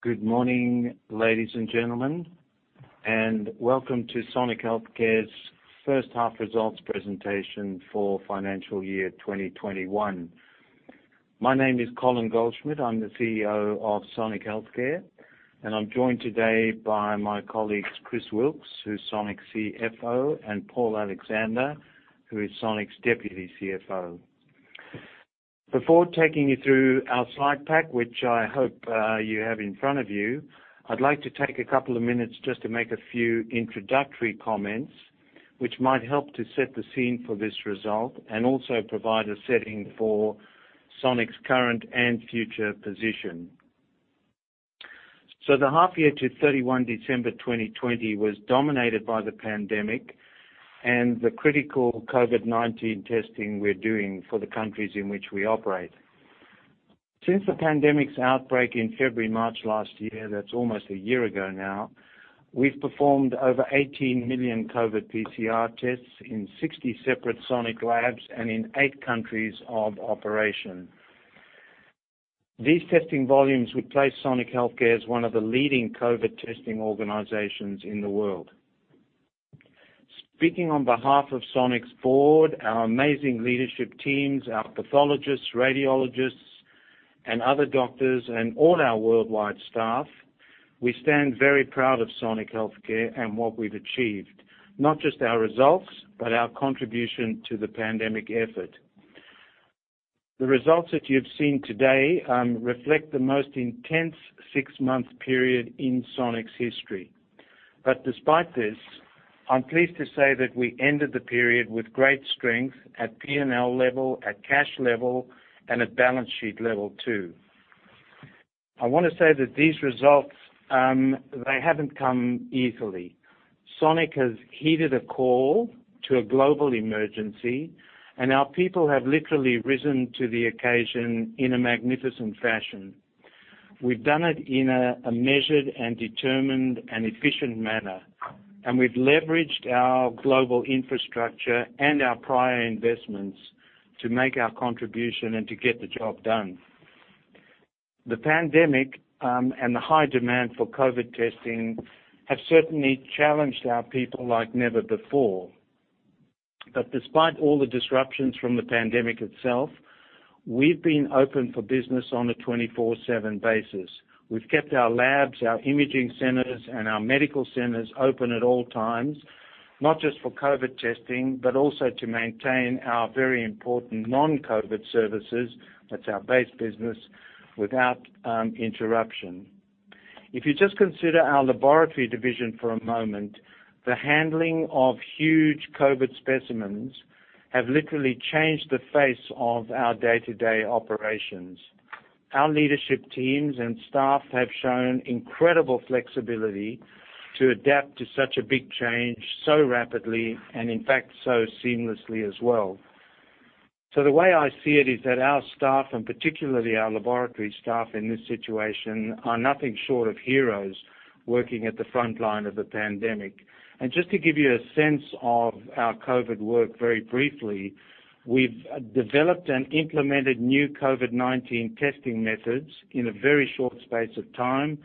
Good morning, ladies and gentlemen, and welcome to Sonic Healthcare's first half results presentation for financial year 2021. My name is Colin Goldschmidt. I'm the CEO of Sonic Healthcare, and I'm joined today by my colleagues, Chris Wilks, who's Sonic's CFO, and Paul Alexander, who is Sonic's Deputy CFO. Before taking you through our slide pack, which I hope you have in front of you, I'd like to take a couple of minutes just to make a few introductory comments, which might help to set the scene for this result, and also provide a setting for Sonic's current and future position. The half year to 31 December 2020 was dominated by the pandemic and the critical COVID-19 testing we're doing for the countries in which we operate. Since the pandemic's outbreak in February, March last year, that's almost a year ago now, we've performed over 18 million COVID PCR tests in 60 separate Sonic labs and in eight countries of operation. These testing volumes would place Sonic Healthcare as one of the leading COVID testing organizations in the world. Speaking on behalf of Sonic's Board, our amazing leadership teams, our pathologists, radiologists, and other doctors, and all our worldwide staff, we stand very proud of Sonic Healthcare and what we've achieved. Not just our results, but our contribution to the pandemic effort. The results that you've seen today reflect the most intense six-month period in Sonic's history. Despite this, I'm pleased to say that we ended the period with great strength at P&L level, at cash level, and at balance sheet level too. I want to say that these results, they haven't come easily. Sonic has heeded a call to a global emergency, and our people have literally risen to the occasion in a magnificent fashion. We've done it in a measured and determined and efficient manner, and we've leveraged our global infrastructure and our prior investments to make our contribution and to get the job done. The pandemic, and the high demand for COVID testing have certainly challenged our people like never before. Despite all the disruptions from the pandemic itself, we've been open for business on a 24/7 basis. We've kept our labs, our imaging centers, and our medical centers open at all times, not just for COVID testing, but also to maintain our very important non-COVID services, that's our base business, without interruption. If you just consider our laboratory division for a moment, the handling of huge COVID specimens have literally changed the face of our day-to-day operations. Our leadership teams and staff have shown incredible flexibility to adapt to such a big change so rapidly, and in fact, so seamlessly as well. The way I see it is that our staff, and particularly our laboratory staff in this situation, are nothing short of heroes working at the frontline of the pandemic. Just to give you a sense of our COVID work very briefly, we've developed and implemented new COVID-19 testing methods in a very short space of time.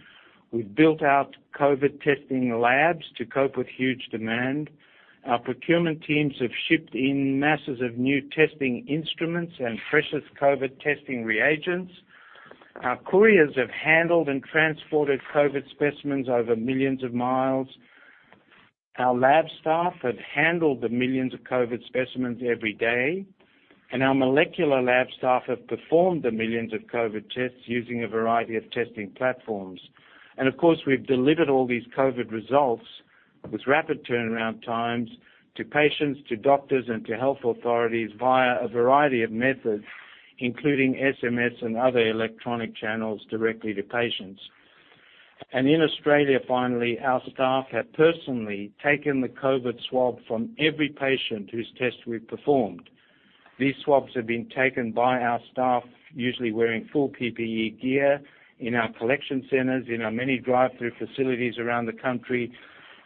We've built out COVID testing labs to cope with huge demand. Our procurement teams have shipped in masses of new testing instruments and precious COVID testing reagents. Our couriers have handled and transported COVID specimens over millions of miles. Our lab staff have handled the millions of COVID specimens every day, and our molecular lab staff have performed the millions of COVID tests using a variety of testing platforms. Of course, we've delivered all these COVID results with rapid turnaround times to patients, to doctors, and to health authorities via a variety of methods, including SMS and other electronic channels directly to patients. In Australia finally, our staff have personally taken the COVID swab from every patient whose test we've performed. These swabs have been taken by our staff, usually wearing full PPE gear in our collection centers, in our many drive-through facilities around the country,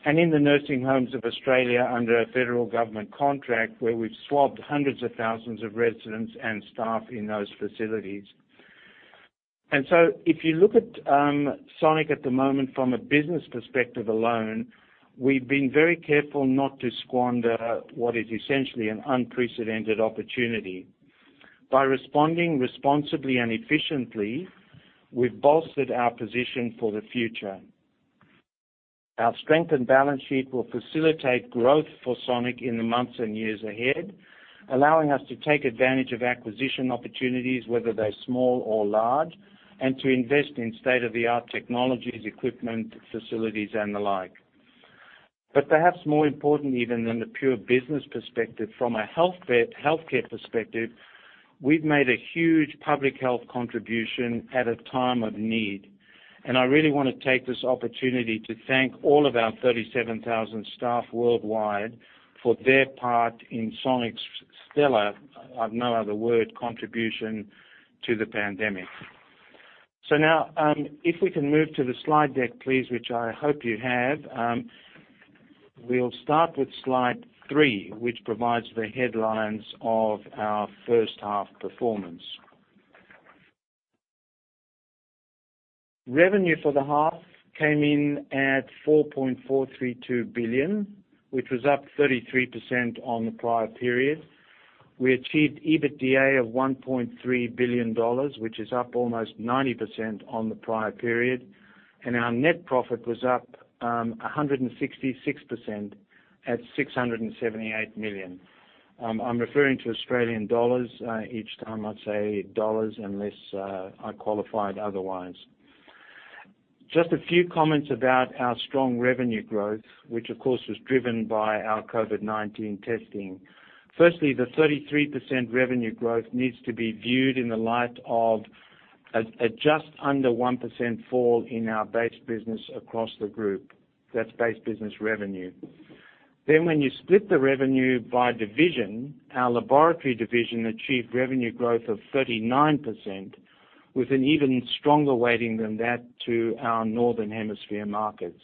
and in the nursing homes of Australia under a federal government contract, where we've swabbed hundreds of thousands of residents and staff in those facilities. If you look at Sonic at the moment from a business perspective alone, we've been very careful not to squander what is essentially an unprecedented opportunity. By responding responsibly and efficiently, we've bolstered our position for the future. Our strengthened balance sheet will facilitate growth for Sonic in the months and years ahead, allowing us to take advantage of acquisition opportunities, whether they're small or large, and to invest in state-of-the-art technologies, equipment, facilities, and the like. Perhaps more important even than the pure business perspective, from a healthcare perspective, we've made a huge public health contribution at a time of need, and I really want to take this opportunity to thank all of our 37,000 staff worldwide for their part in Sonic's stellar, I've no other word, contribution to the pandemic. If we can move to the slide deck, please, which I hope you have. We will start with slide three, which provides the headlines of our first half performance. Revenue for the half came in at 4.432 billion, which was up 33% on the prior period. We achieved EBITDA of 1.3 billion dollars, which is up almost 90% on the prior period, and our net profit was up 166% at 678 million. I am referring to Australian dollars. Each time I would say dollars unless I qualify it otherwise. Just a few comments about our strong revenue growth, which of course, was driven by our COVID-19 testing. The 33% revenue growth needs to be viewed in the light of a just under 1% fall in our base business across the group. That is base business revenue. When you split the revenue by division, our laboratory division achieved revenue growth of 39% with an even stronger weighting than that to our Northern Hemisphere markets.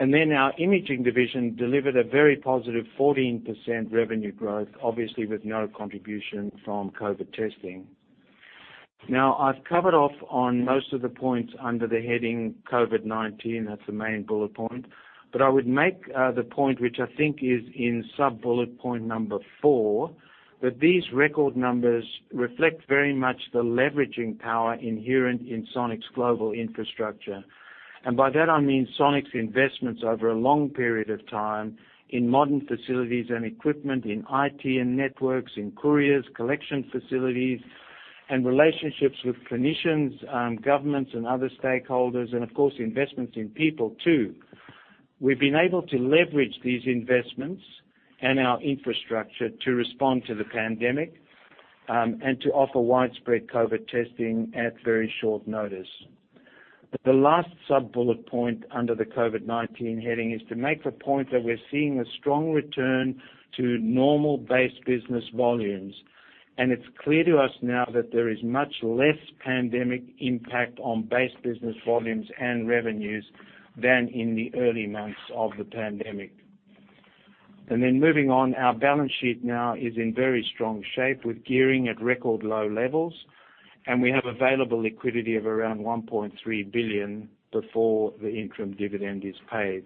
Our imaging division delivered a very positive 14% revenue growth, obviously with no contribution from COVID testing. I've covered off on most of the points under the heading COVID-19. That's the main bullet point. I would make the point, which I think is in sub-bullet point number four, that these record numbers reflect very much the leveraging power inherent in Sonic's global infrastructure. I mean Sonic's investments over a long period of time in modern facilities and equipment, in IT and networks, in couriers, collection facilities, and relationships with clinicians, governments, and other stakeholders, and of course, investments in people too. We've been able to leverage these investments and our infrastructure to respond to the pandemic, and to offer widespread COVID testing at very short notice. The last sub-bullet point under the COVID-19 heading is to make the point that we're seeing a strong return to normal base business volumes, and it's clear to us now that there is much less pandemic impact on base business volumes and revenues than in the early months of the pandemic. Moving on, our balance sheet now is in very strong shape with gearing at record low levels, and we have available liquidity of around 1.3 billion before the interim dividend is paid.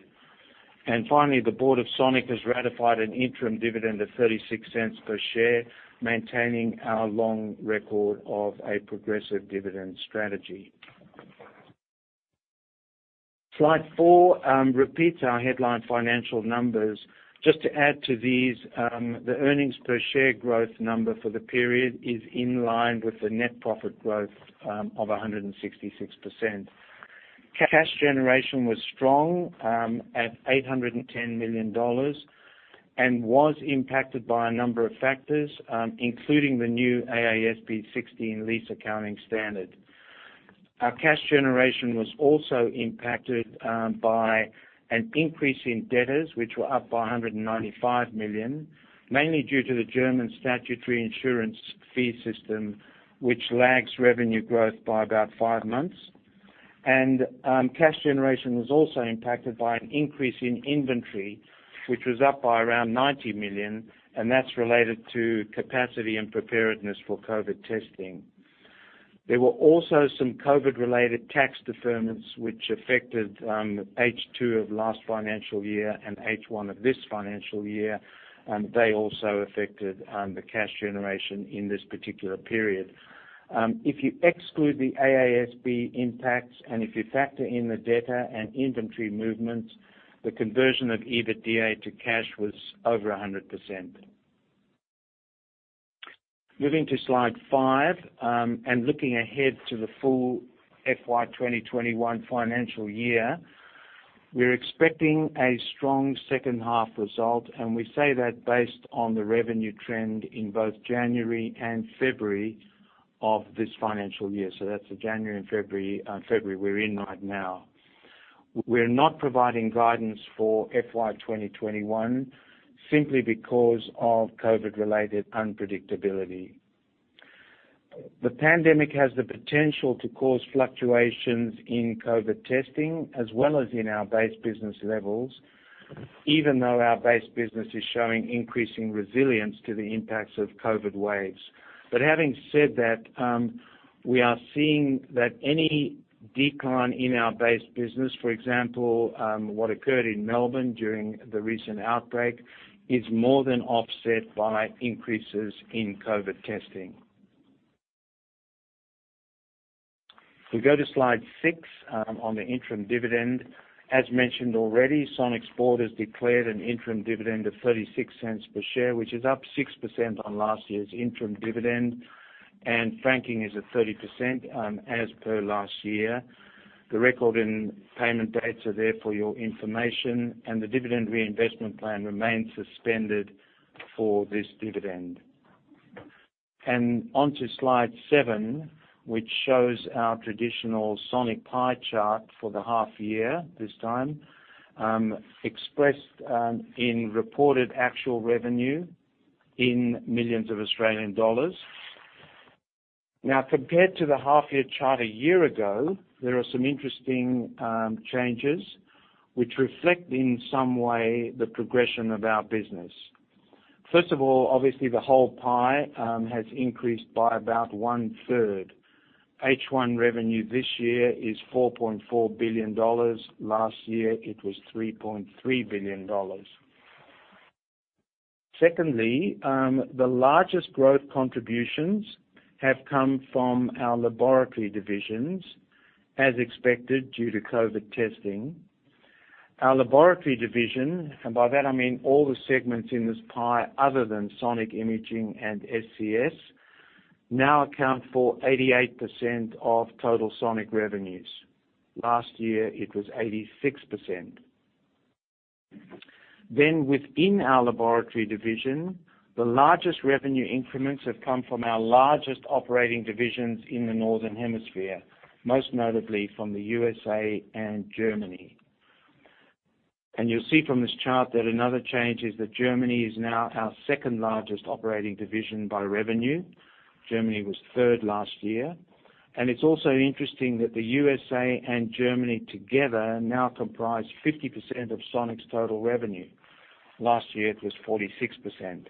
Finally, the Board of Sonic has ratified an interim dividend of 0.36 per share, maintaining our long record of a progressive dividend strategy. Slide four repeats our headline financial numbers. Just to add to these, the earnings per share growth number for the period is in line with the net profit growth of 166%. Cash generation was strong at 810 million dollars and was impacted by a number of factors, including the new AASB 16 lease accounting standard. Our cash generation was also impacted by an increase in debtors, which were up by 195 million, mainly due to the German statutory insurance fee system, which lags revenue growth by about five months. Cash generation was also impacted by an increase in inventory, which was up by around 90 million, and that's related to capacity and preparedness for COVID testing. There were also some COVID-related tax deferments, which affected H2 of last financial year and H1 of this financial year, they also affected the cash generation in this particular period. If you exclude the AASB impacts and if you factor in the debtor and inventory movements, the conversion of EBITDA to cash was over 100%. Moving to slide five, looking ahead to the full FY 2021 financial year. We're expecting a strong second half result, we say that based on the revenue trend in both January and February of this financial year. That's the January and February we're in right now. We're not providing guidance for FY 2021 simply because of COVID-related unpredictability. The pandemic has the potential to cause fluctuations in COVID testing as well as in our base business levels, even though our base business is showing increasing resilience to the impacts of COVID waves. Having said that, we are seeing that any decline in our base business, for example, what occurred in Melbourne during the recent outbreak, is more than offset by increases in COVID testing. If we go to slide six, on the interim dividend. As mentioned already, Sonic's board has declared an interim dividend of 0.36 per share, which is up 6% on last year's interim dividend, and franking is at 30% as per last year. The record and payment dates are there for your information. The dividend reinvestment plan remains suspended for this dividend. On to slide seven, which shows our traditional Sonic pie chart for the half year this time, expressed in reported actual revenue in millions of AUD. Now, compared to the half year chart a year ago, there are some interesting changes which reflect, in some way, the progression of our business. First of all, obviously, the whole pie has increased by about one-third. H1 revenue this year is 4.4 billion dollars. Last year it was 3.3 billion dollars. The largest growth contributions have come from our laboratory divisions, as expected, due to COVID testing. Our laboratory division, and by that I mean all the segments in this pie other than Sonic Imaging and SCS, now account for 88% of total Sonic revenues. Last year it was 86%. Within our laboratory division, the largest revenue increments have come from our largest operating divisions in the Northern Hemisphere, most notably from the U.S.A. and Germany. You'll see from this chart that another change is that Germany is now our second-largest operating division by revenue. Germany was third last year. It's also interesting that the U.S.A. and Germany together now comprise 50% of Sonic's total revenue. Last year it was 46%.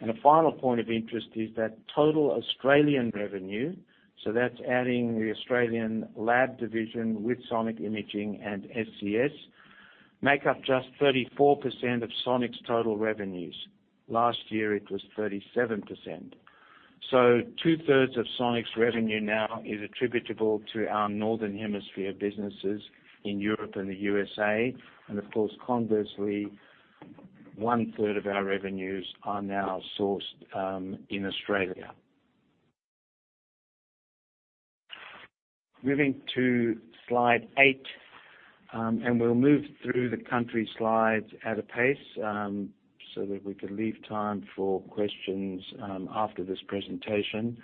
A final point of interest is that total Australian revenue, so that's adding the Australian lab division with Sonic Imaging and SCS, make up just 34% of Sonic's total revenues. Last year it was 37%. Two-thirds of Sonic's revenue now is attributable to our Northern Hemisphere businesses in Europe and the U.S.A. Of course, conversely, 1/3 of our revenues are now sourced in Australia. Moving to Slide eight, and we'll move through the country slides at a pace so that we can leave time for questions after this presentation.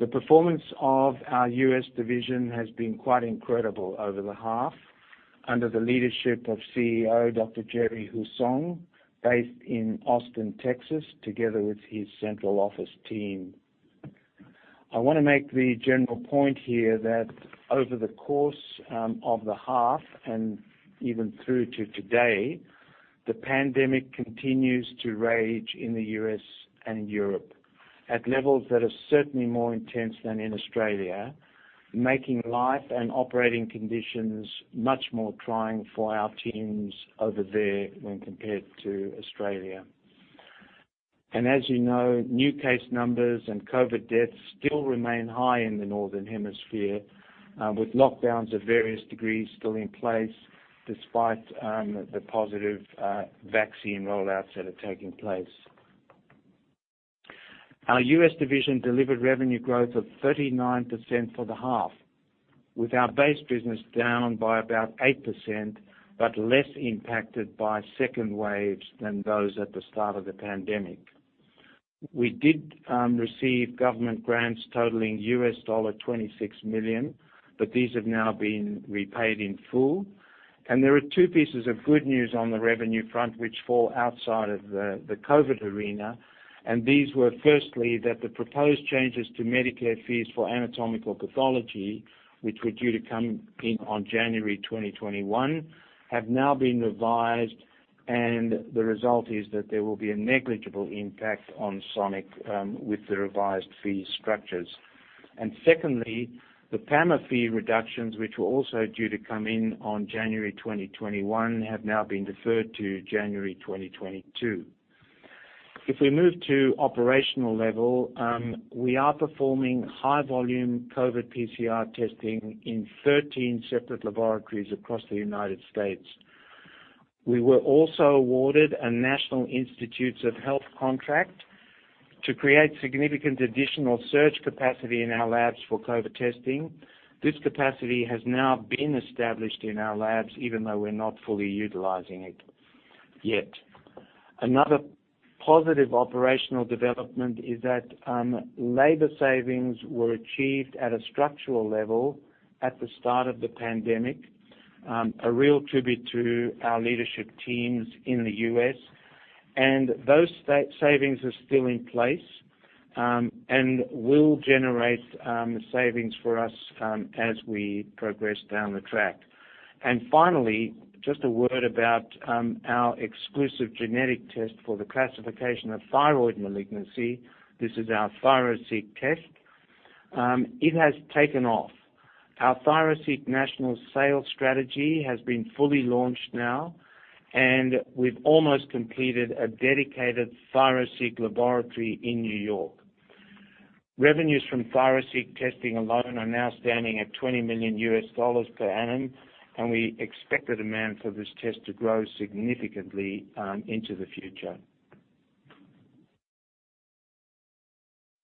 The performance of our U.S. division has been quite incredible over the half under the leadership of CEO Dr. Jerry Hussong, based in Austin, Texas, together with his central office team. I want to make the general point here that over the course of the half, and even through to today, the pandemic continues to rage in the U.S. and Europe at levels that are certainly more intense than in Australia, making life and operating conditions much more trying for our teams over there when compared to Australia. As you know, new case numbers and COVID deaths still remain high in the Northern Hemisphere, with lockdowns of various degrees still in place despite the positive vaccine rollouts that are taking place. Our U.S. division delivered revenue growth of 39% for the half, with our base business down by about 8%, but less impacted by second waves than those at the start of the pandemic. We did receive government grants totaling $26 million, but these have now been repaid in full. There are two pieces of good news on the revenue front which fall outside of the COVID arena. These were firstly, that the proposed changes to Medicare fees for anatomical pathology, which were due to come in on January 2021, have now been revised, and the result is that there will be a negligible impact on Sonic with the revised fee structures. Secondly, the PAMA fee reductions, which were also due to come in on January 2021, have now been deferred to January 2022. If we move to operational level, we are performing high volume COVID PCR testing in 13 separate laboratories across the U.S. We were also awarded a National Institutes of Health contract to create significant additional surge capacity in our labs for COVID testing. This capacity has now been established in our labs, even though we're not fully utilizing it yet. Another positive operational development is that labor savings were achieved at a structural level at the start of the pandemic. A real tribute to our leadership teams in the U.S. Those savings are still in place, and will generate savings for us as we progress down the track. Finally, just a word about our exclusive genetic test for the classification of thyroid malignancy. This is our ThyroSeq test. It has taken off. Our ThyroSeq national sales strategy has been fully launched now, and we've almost completed a dedicated ThyroSeq laboratory in New York. Revenues from ThyroSeq testing alone are now standing at $20 million per annum, and we expect the demand for this test to grow significantly into the future.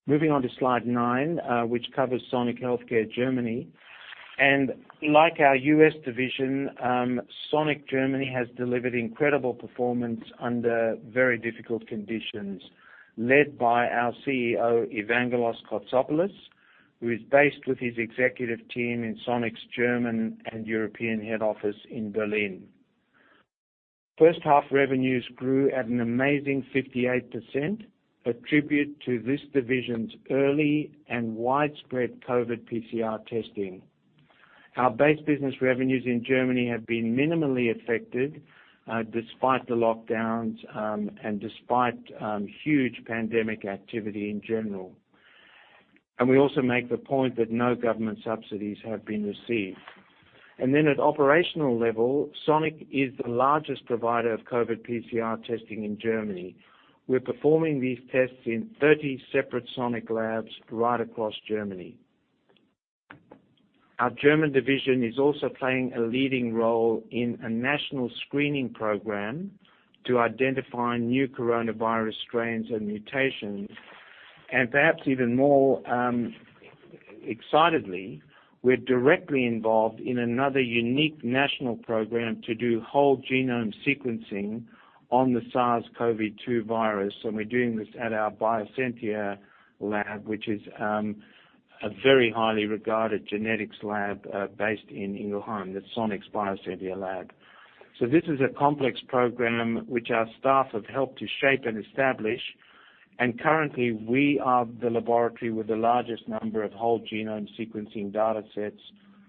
Moving on to Slide nine, which covers Sonic Healthcare Germany. Like our U.S. division, Sonic Germany has delivered incredible performance under very difficult conditions, led by our CEO, Evangelos Kotsopoulos, who is based with his executive team in Sonic's German and European head office in Berlin. First half revenues grew at an amazing 58%, attributed to this division's early and widespread COVID PCR testing. Our base business revenues in Germany have been minimally affected despite the lockdowns and despite huge pandemic activity in general. We also make the point that no government subsidies have been received. At operational level, Sonic is the largest provider of COVID PCR testing in Germany. We're performing these tests in 30 separate Sonic labs right across Germany. Our German division is also playing a leading role in a national screening program to identify new coronavirus strains and mutations. Perhaps even more excitedly, we're directly involved in another unique national program to do whole genome sequencing on the SARS-CoV-2 virus. We're doing this at our Bioscientia lab, which is a very highly regarded genetics lab based in Ingelheim, the Sonic Bioscientia lab. This is a complex program which our staff have helped to shape and establish. Currently, we are the laboratory with the largest number of whole genome sequencing data sets,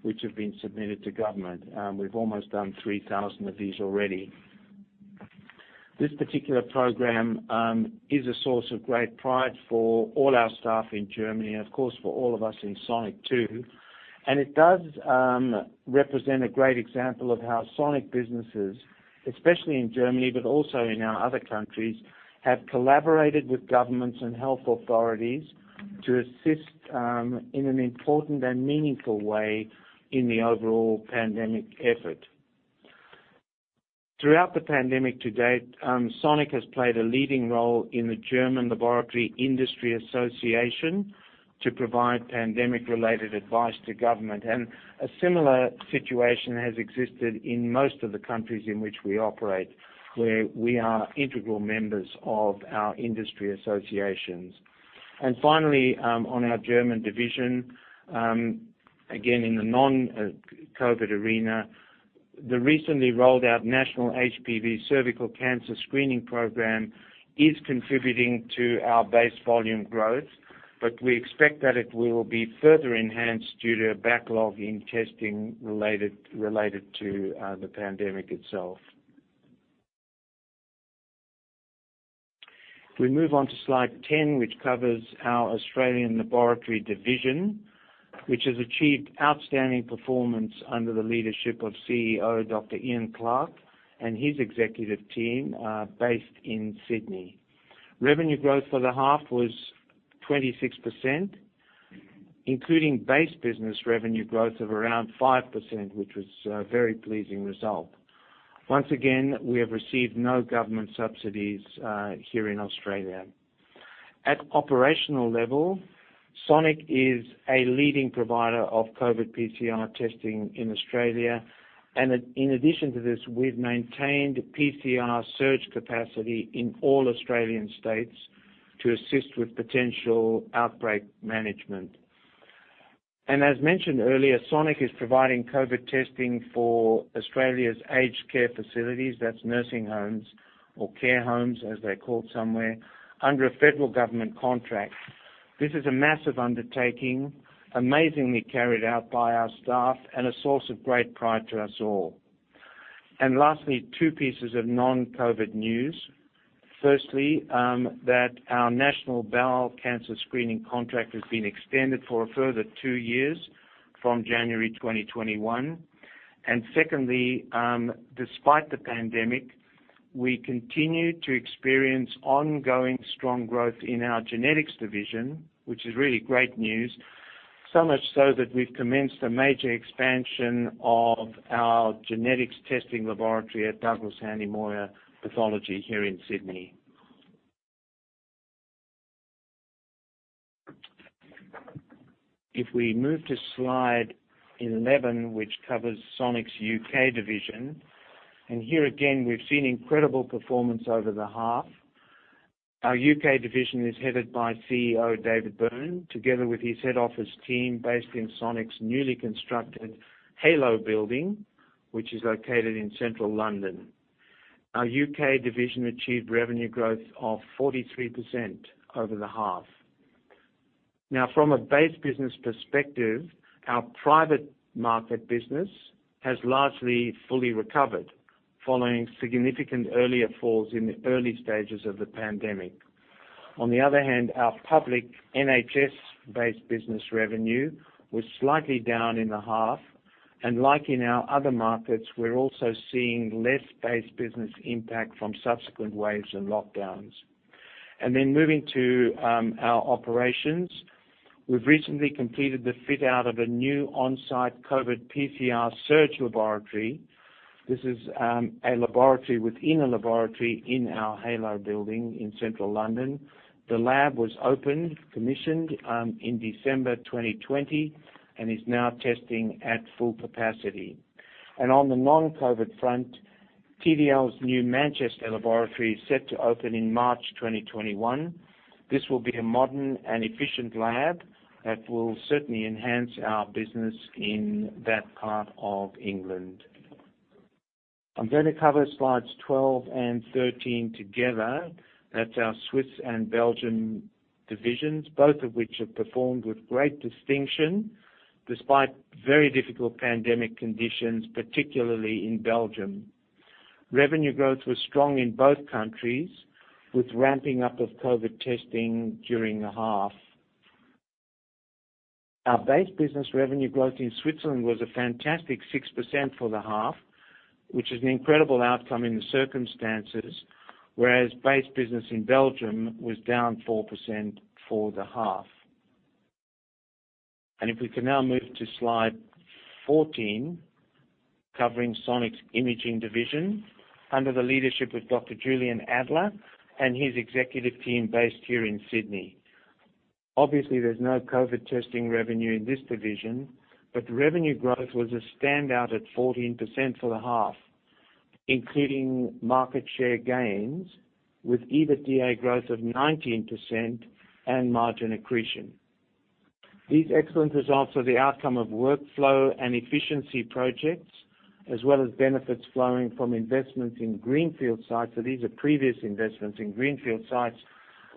which have been submitted to government. We've almost done 3,000 of these already. This particular program is a source of great pride for all our staff in Germany, and of course, for all of us in Sonic too. It does represent a great example of how Sonic businesses, especially in Germany, but also in our other countries, have collaborated with governments and health authorities to assist in an important and meaningful way in the overall pandemic effort. Throughout the pandemic to date, Sonic has played a leading role in the German Laboratory Industry Association to provide pandemic-related advice to government. A similar situation has existed in most of the countries in which we operate, where we are integral members of our industry associations. Finally, on our German division, again, in the non-COVID arena, the recently rolled out National HPV Cervical Cancer Screening Program is contributing to our base volume growth, but we expect that it will be further enhanced due to backlog in testing related to the pandemic itself. We move on to slide 10, which covers our Australian laboratory division, which has achieved outstanding performance under the leadership of CEO Dr. Ian Clark and his executive team based in Sydney. Revenue growth for the half was 26%, including base business revenue growth of around 5%, which was a very pleasing result. Once again, we have received no government subsidies here in Australia. At operational level, Sonic is a leading provider of COVID PCR testing in Australia. In addition to this, we've maintained PCR surge capacity in all Australian states to assist with potential outbreak management. As mentioned earlier, Sonic is providing COVID testing for Australia's aged care facilities, that's nursing homes or care homes, as they're called somewhere, under a federal government contract. This is a massive undertaking, amazingly carried out by our staff, and a source of great pride to us all. Lastly, two pieces of non-COVID news. Firstly, that our National Bowel Cancer Screening contract has been extended for a further two years, from January 2021. Secondly, despite the pandemic, we continue to experience ongoing strong growth in our genetics division, which is really great news, so much so that we've commenced a major expansion of our genetics testing laboratory at Douglass Hanly Moir Pathology here in Sydney. If we move to slide 11, which covers Sonic's U.K. division, and here again, we've seen incredible performance over the half. Our U.K. division is headed by CEO David Byrne, together with his head office team based in Sonic's newly constructed Halo building, which is located in central London. Our U.K. division achieved revenue growth of 43% over the half. Now, from a base business perspective, our private market business has largely fully recovered following significant earlier falls in the early stages of the pandemic. On the other hand, our public NHS-based business revenue was slightly down in the half, and like in our other markets, we're also seeing less base business impact from subsequent waves and lockdowns. Moving to our operations. We've recently completed the fit-out of a new on-site COVID PCR surge laboratory. This is a laboratory within a laboratory in our Halo building in central London. The lab was opened, commissioned in December 2020, and is now testing at full capacity. On the non-COVID front, TDL's new Manchester laboratory is set to open in March 2021. This will be a modern and efficient lab that will certainly enhance our business in that part of England. I'm going to cover slides 12 and 13 together. That's our Swiss and Belgian divisions, both of which have performed with great distinction, despite very difficult pandemic conditions, particularly in Belgium. Revenue growth was strong in both countries, with ramping up of COVID testing during the half. Our base business revenue growth in Switzerland was a fantastic 6% for the half, which is an incredible outcome in the circumstances, whereas base business in Belgium was down 4% for the half. If we can now move to slide 14, covering Sonic's Imaging division under the leadership of Dr Julian Adler and his executive team based here in Sydney. Obviously, there's no COVID testing revenue in this division, but the revenue growth was a standout at 14% for the half, including market share gains with EBITDA growth of 19% and margin accretion. These excellent results are the outcome of workflow and efficiency projects, as well as benefits flowing from investments in greenfield sites. These are previous investments in greenfield sites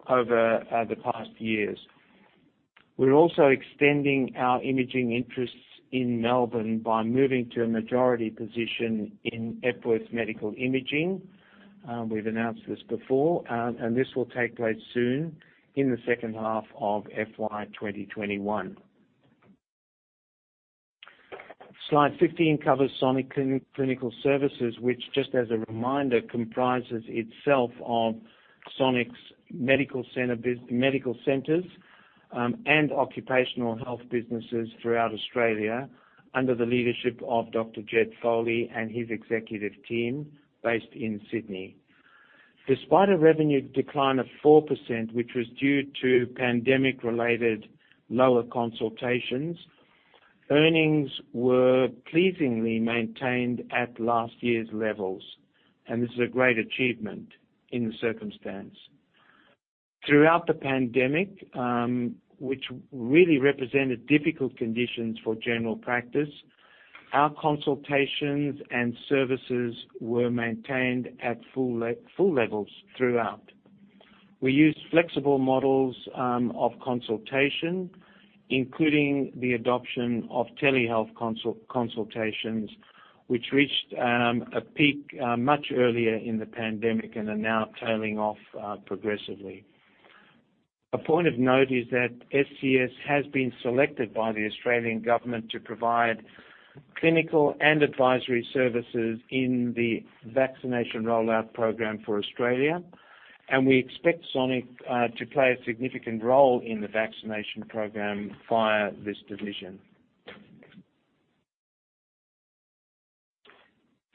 over the past years. We are also extending our imaging interests in Melbourne by moving to a majority position in Epworth Medical Imaging. We have announced this before. This will take place soon in the second half of FY 2021. Slide 15 covers Sonic Clinical Services, which, just as a reminder, comprises itself of Sonic's medical centers and occupational health businesses throughout Australia under the leadership of Dr. Ged Foley and his executive team based in Sydney. Despite a revenue decline of 4%, which was due to pandemic-related lower consultations, earnings were pleasingly maintained at last year's levels. This is a great achievement in the circumstance. Throughout the pandemic, which really represented difficult conditions for general practice, our consultations and services were maintained at full levels throughout. We used flexible models of consultation, including the adoption of telehealth consultations, which reached a peak much earlier in the pandemic and are now tailing off progressively. A point of note is that SCS has been selected by the Australian government to provide clinical and advisory services in the vaccination rollout program for Australia, and we expect Sonic to play a significant role in the vaccination program via this division.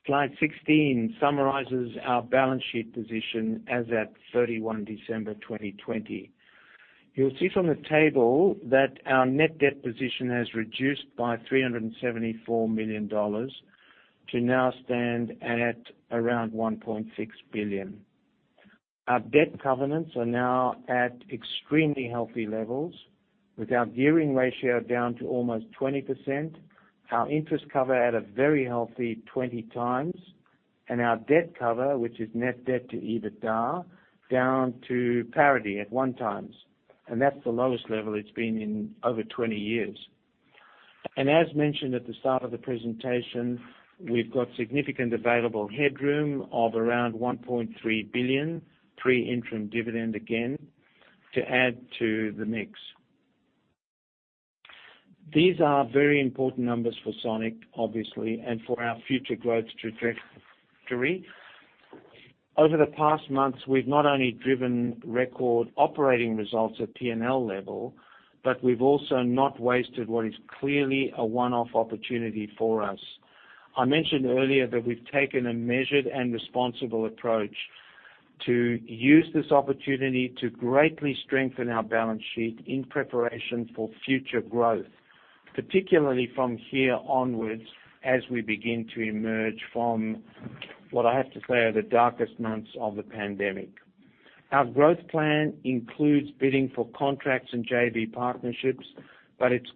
Slide 16 summarizes our balance sheet position as at 31 December 2020. You'll see from the table that our net debt position has reduced by 374 million dollars to now stand at around 1.6 billion. Our debt covenants are now at extremely healthy levels, with our gearing ratio down to almost 20%, our interest cover at a very healthy 20x, and our debt cover, which is net debt to EBITDA, down to parity at 1x. That's the lowest level it's been in over 20 years. As mentioned at the start of the presentation, we've got significant available headroom of around 1.3 billion, pre-interim dividend again, to add to the mix. These are very important numbers for Sonic, obviously, and for our future growth trajectory. Over the past months, we've not only driven record operating results at P&L level, but we've also not wasted what is clearly a one-off opportunity for us. I mentioned earlier that we've taken a measured and responsible approach to use this opportunity to greatly strengthen our balance sheet in preparation for future growth, particularly from here onwards as we begin to emerge from, what I have to say, the darkest months of the pandemic. It's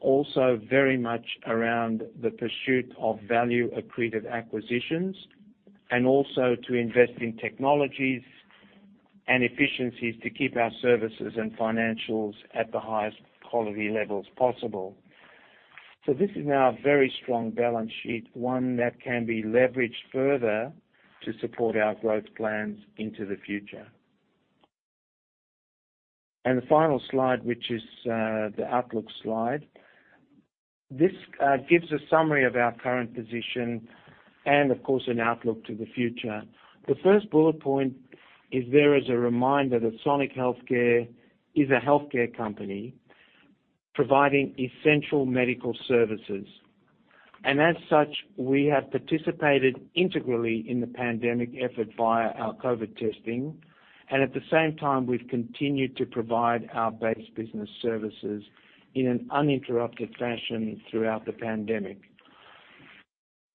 also very much around the pursuit of value-accretive acquisitions and also to invest in technologies and efficiencies to keep our services and financials at the highest quality levels possible. This is now a very strong balance sheet, one that can be leveraged further to support our growth plans into the future. The final slide, which is the outlook slide. This gives a summary of our current position and of course, an outlook to the future. The first bullet point is there as a reminder that Sonic Healthcare is a healthcare company providing essential medical services. As such, we have participated integrally in the pandemic effort via our COVID testing, and at the same time, we've continued to provide our base business services in an uninterrupted fashion throughout the pandemic.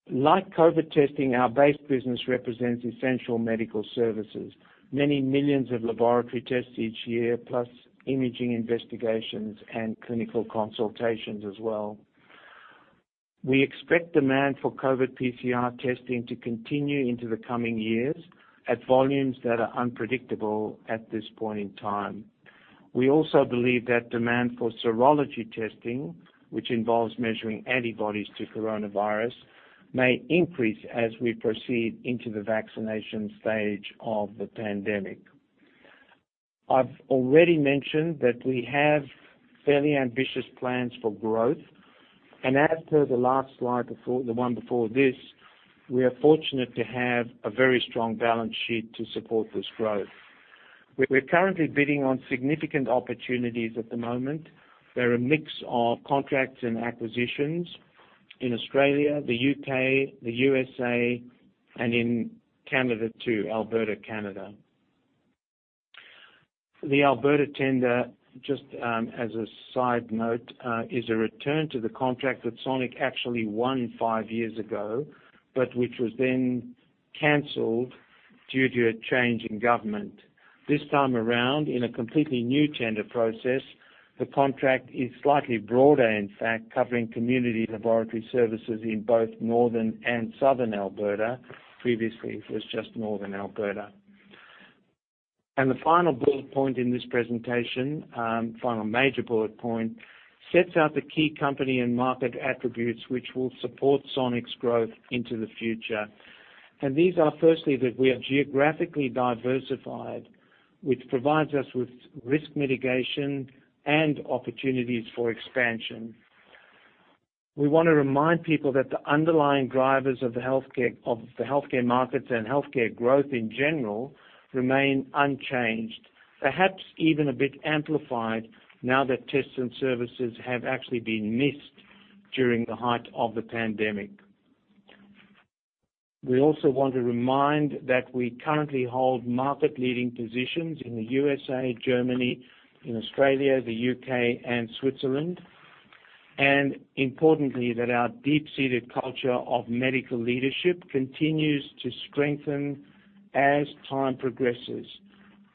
Like COVID testing, our base business represents essential medical services. Many millions of laboratory tests each year, plus imaging investigations and clinical consultations as well. We expect demand for COVID PCR testing to continue into the coming years at volumes that are unpredictable at this point in time. We also believe that demand for serology testing, which involves measuring antibodies to coronavirus, may increase as we proceed into the vaccination stage of the pandemic. I've already mentioned that we have fairly ambitious plans for growth, and as per the last slide, the one before this, we are fortunate to have a very strong balance sheet to support this growth. We're currently bidding on significant opportunities at the moment. They're a mix of contracts and acquisitions in Australia, the U.K., the U.S.A., and in Canada too, Alberta, Canada. The Alberta tender, just as a side note, is a return to the contract that Sonic actually won five years ago, but which was then canceled due to a change in government. This time around, in a completely new tender process, the contract is slightly broader, in fact, covering community laboratory services in both northern and southern Alberta. Previously, it was just northern Alberta. The final bullet point in this presentation, final major bullet point, sets out the key company and market attributes which will support Sonic's growth into the future. These are firstly that we are geographically diversified, which provides us with risk mitigation and opportunities for expansion. We want to remind people that the underlying drivers of the healthcare markets and healthcare growth in general remain unchanged, perhaps even a bit amplified now that tests and services have actually been missed during the height of the pandemic. We also want to remind that we currently hold market-leading positions in the USA, Germany, in Australia, the U.K., and Switzerland. Importantly, that our deep-seated culture of medical leadership continues to strengthen as time progresses.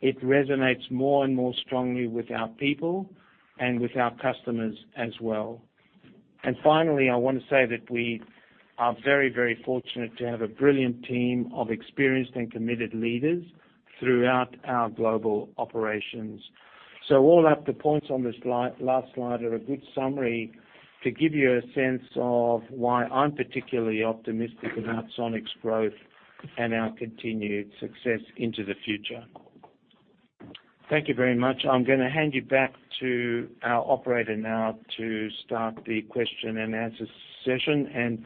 It resonates more and more strongly with our people and with our customers as well. Finally, I want to say that we are very fortunate to have a brilliant team of experienced and committed leaders throughout our global operations. All up, the points on this last slide are a good summary to give you a sense of why I'm particularly optimistic about Sonic's growth and our continued success into the future. Thank you very much. I'm going to hand you back to our operator now to start the question and answer session, and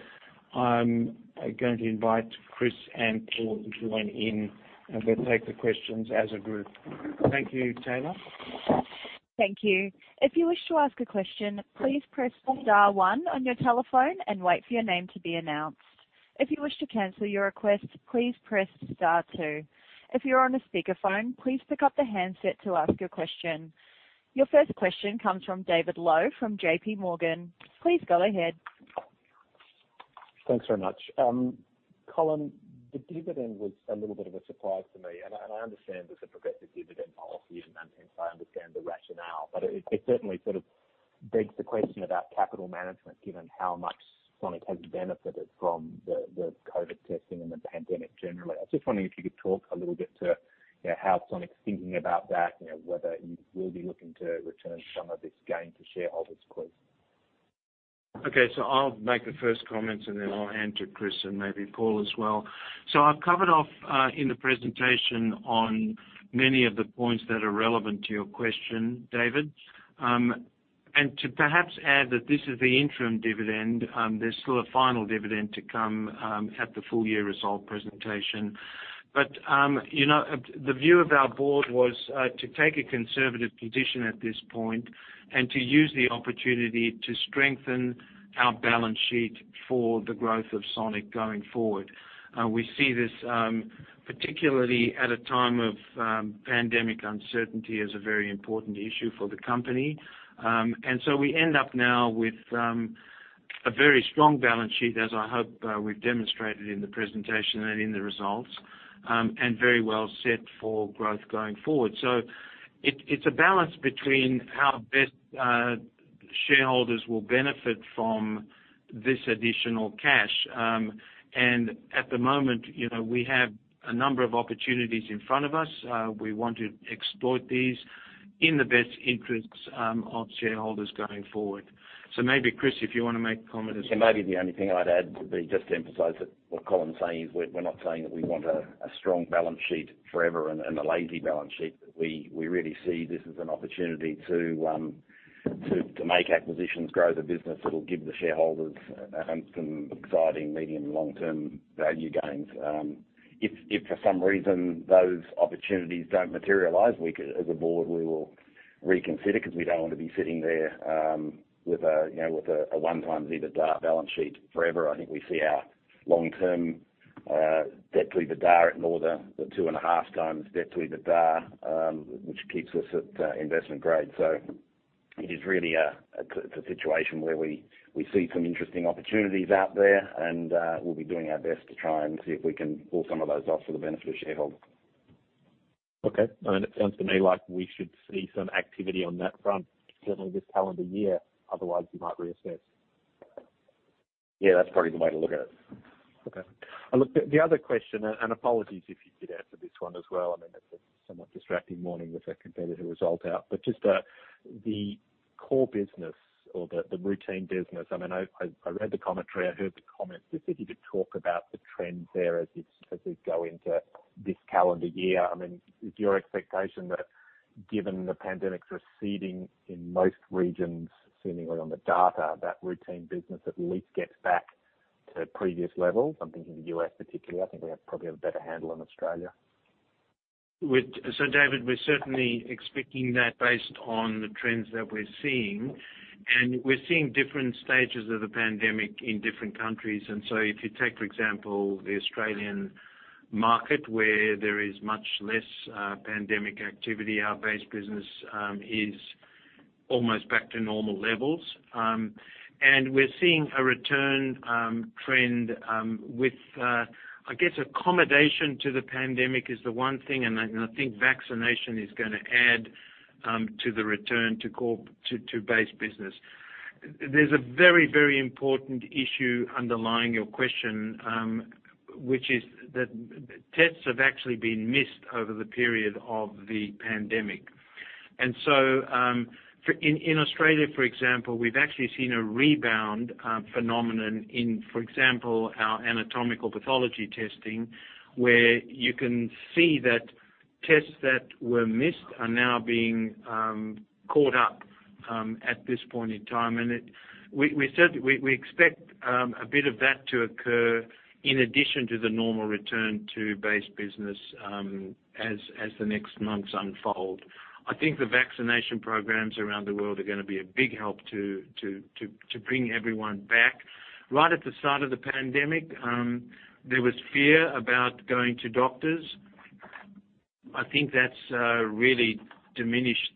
I'm going to invite Chris and Paul to join in, and we'll take the questions as a group. Thank you, Taylor. Thank you. If you wish to ask a question, please press star one on your telephone and wait for your name to be announced. If you wish to cancel your request, please press star two. If you're on a speakerphone, please pick up the handset to ask your question. Your first question comes from David Low from JPMorgan. Please go ahead. Thanks very much. Colin, the dividend was a little bit of a surprise to me. I understand there's a progressive dividend policy, and hence I understand the rationale. It certainly sort of begs the question about capital management, given how much Sonic has benefited from the COVID testing and the pandemic generally. I was just wondering if you could talk a little bit to how Sonic's thinking about that, whether you will be looking to return some of this gain to shareholders please. Okay. I'll make the first comments, and then I'll hand to Chris and maybe Paul as well. I've covered off in the presentation on many of the points that are relevant to your question, David. To perhaps add that this is the interim dividend. There's still a final dividend to come at the full-year result presentation. The view of our board was to take a conservative position at this point and to use the opportunity to strengthen our balance sheet for the growth of Sonic going forward. We see this, particularly at a time of pandemic uncertainty, as a very important issue for the company. We end up now with a very strong balance sheet, as I hope we've demonstrated in the presentation and in the results, and very well set for growth going forward. It's a balance between how best shareholders will benefit from this additional cash. At the moment, we have a number of opportunities in front of us. We want to exploit these in the best interests of shareholders going forward. Maybe, Chris, if you want to make a comment as well. Yeah. Maybe the only thing I'd add would be just to emphasize that what Colin's saying is we're not saying that we want a strong balance sheet forever and a lazy balance sheet. We really see this as an opportunity to make acquisitions, grow the business that'll give the shareholders some exciting medium and long-term value gains. If for some reason those opportunities don't materialize, as a board, we will reconsider because we don't want to be sitting there with a 1x EBITDA balance sheet forever. I think we see our long-term debt to EBITDA at more than the 2.5x debt to EBITDA, which keeps us at investment grade. It is really a situation where we see some interesting opportunities out there, and we'll be doing our best to try and see if we can pull some of those off for the benefit of shareholders. Okay. It sounds to me like we should see some activity on that front, certainly this calendar year. Otherwise, you might reassess. Yeah, that's probably the way to look at it. Okay. Look, the other question, apologies if you did answer this one as well. I mean, it's a somewhat disruptive morning with that competitor result out. Just the core business or the routine business. I read the commentary, I heard the comments. Just if you could talk about the trends there as we go into this calendar year. Is your expectation that given the pandemic's receding in most regions, seemingly on the data, that routine business at least gets back to previous levels? I'm thinking the U.S. particularly. I think we probably have a better handle on Australia. David, we're certainly expecting that based on the trends that we're seeing, and we're seeing different stages of the pandemic in different countries. If you take, for example, the Australian market, where there is much less pandemic activity, our base business is almost back to normal levels. We're seeing a return trend with, I guess, accommodation to the pandemic is the one thing, and I think vaccination is going to add to the return to base business. There's a very, very important issue underlying your question, which is that tests have actually been missed over the period of the pandemic. In Australia, for example, we've actually seen a rebound phenomenon in, for example, our anatomical pathology testing, where you can see that tests that were missed are now being caught up at this point in time. We expect a bit of that to occur in addition to the normal return to base business as the next months unfold. I think the vaccination programs around the world are going to be a big help to bring everyone back. Right at the start of the pandemic, there was fear about going to doctors. I think that's really diminished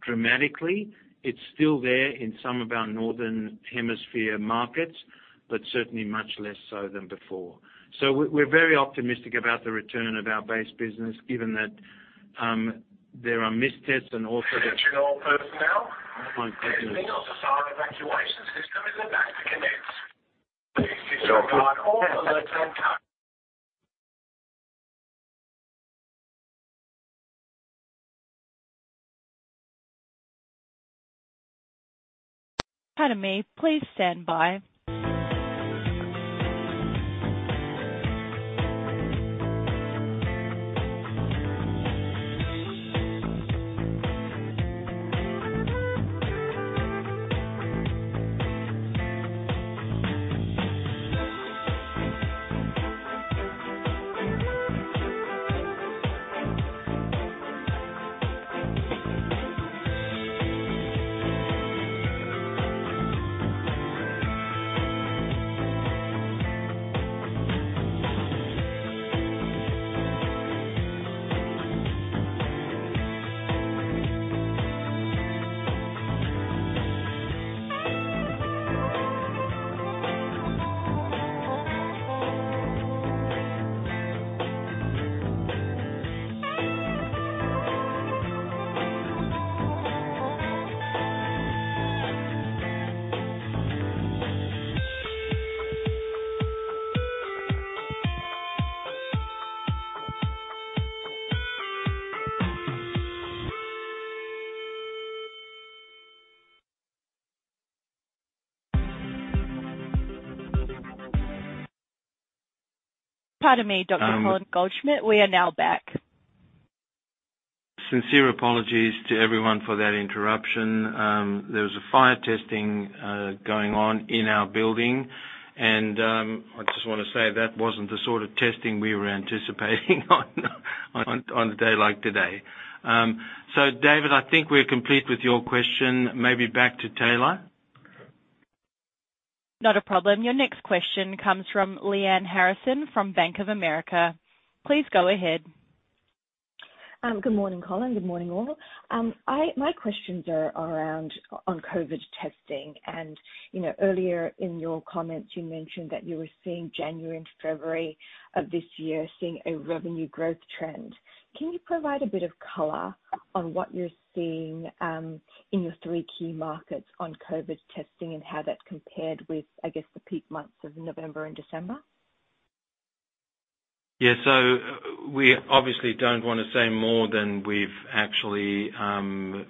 dramatically. It's still there in some of our Northern Hemisphere markets, but certainly much less so than before. We're very optimistic about the return of our base business, given that there are missed tests. Pardon me. Please stand by. Pardon me, Dr. Colin Goldschmidt, we are now back. Sincere apologies to everyone for that interruption. There was a fire testing going on in our building, and I just want to say that wasn't the sort of testing we were anticipating on a day like today. David, I think we're complete with your question. Maybe back to Taylor. Not a problem. Your next question comes from Lyanne Harrison from Bank of America. Please go ahead. Good morning, Colin. Good morning, all. My questions are around on COVID testing. Earlier in your comments, you mentioned that you were seeing January and February of this year a revenue growth trend. Can you provide a bit of color on what you're seeing in your three key markets on COVID testing and how that compared with, I guess, the peak months of November and December? We obviously don't want to say more than we've actually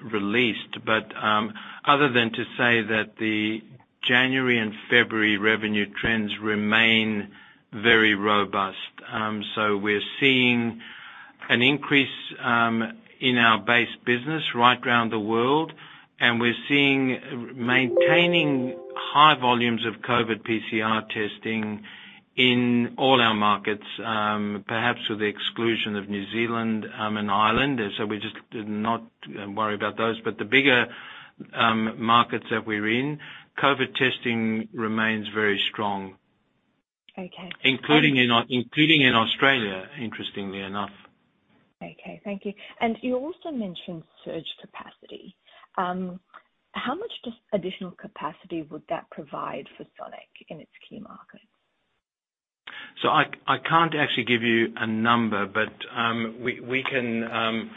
released. Other than to say that the January and February revenue trends remain very robust. We're seeing an increase in our base business right around the world, and we're seeing maintaining high volumes of COVID PCR testing in all our markets. Perhaps with the exclusion of New Zealand and Ireland. We just did not worry about those. The bigger markets that we're in, COVID testing remains very strong. Okay. Including in Australia, interestingly enough. Okay. Thank you. You also mentioned surge capacity. How much additional capacity would that provide for Sonic in its key markets? I can't actually give you a number, but we can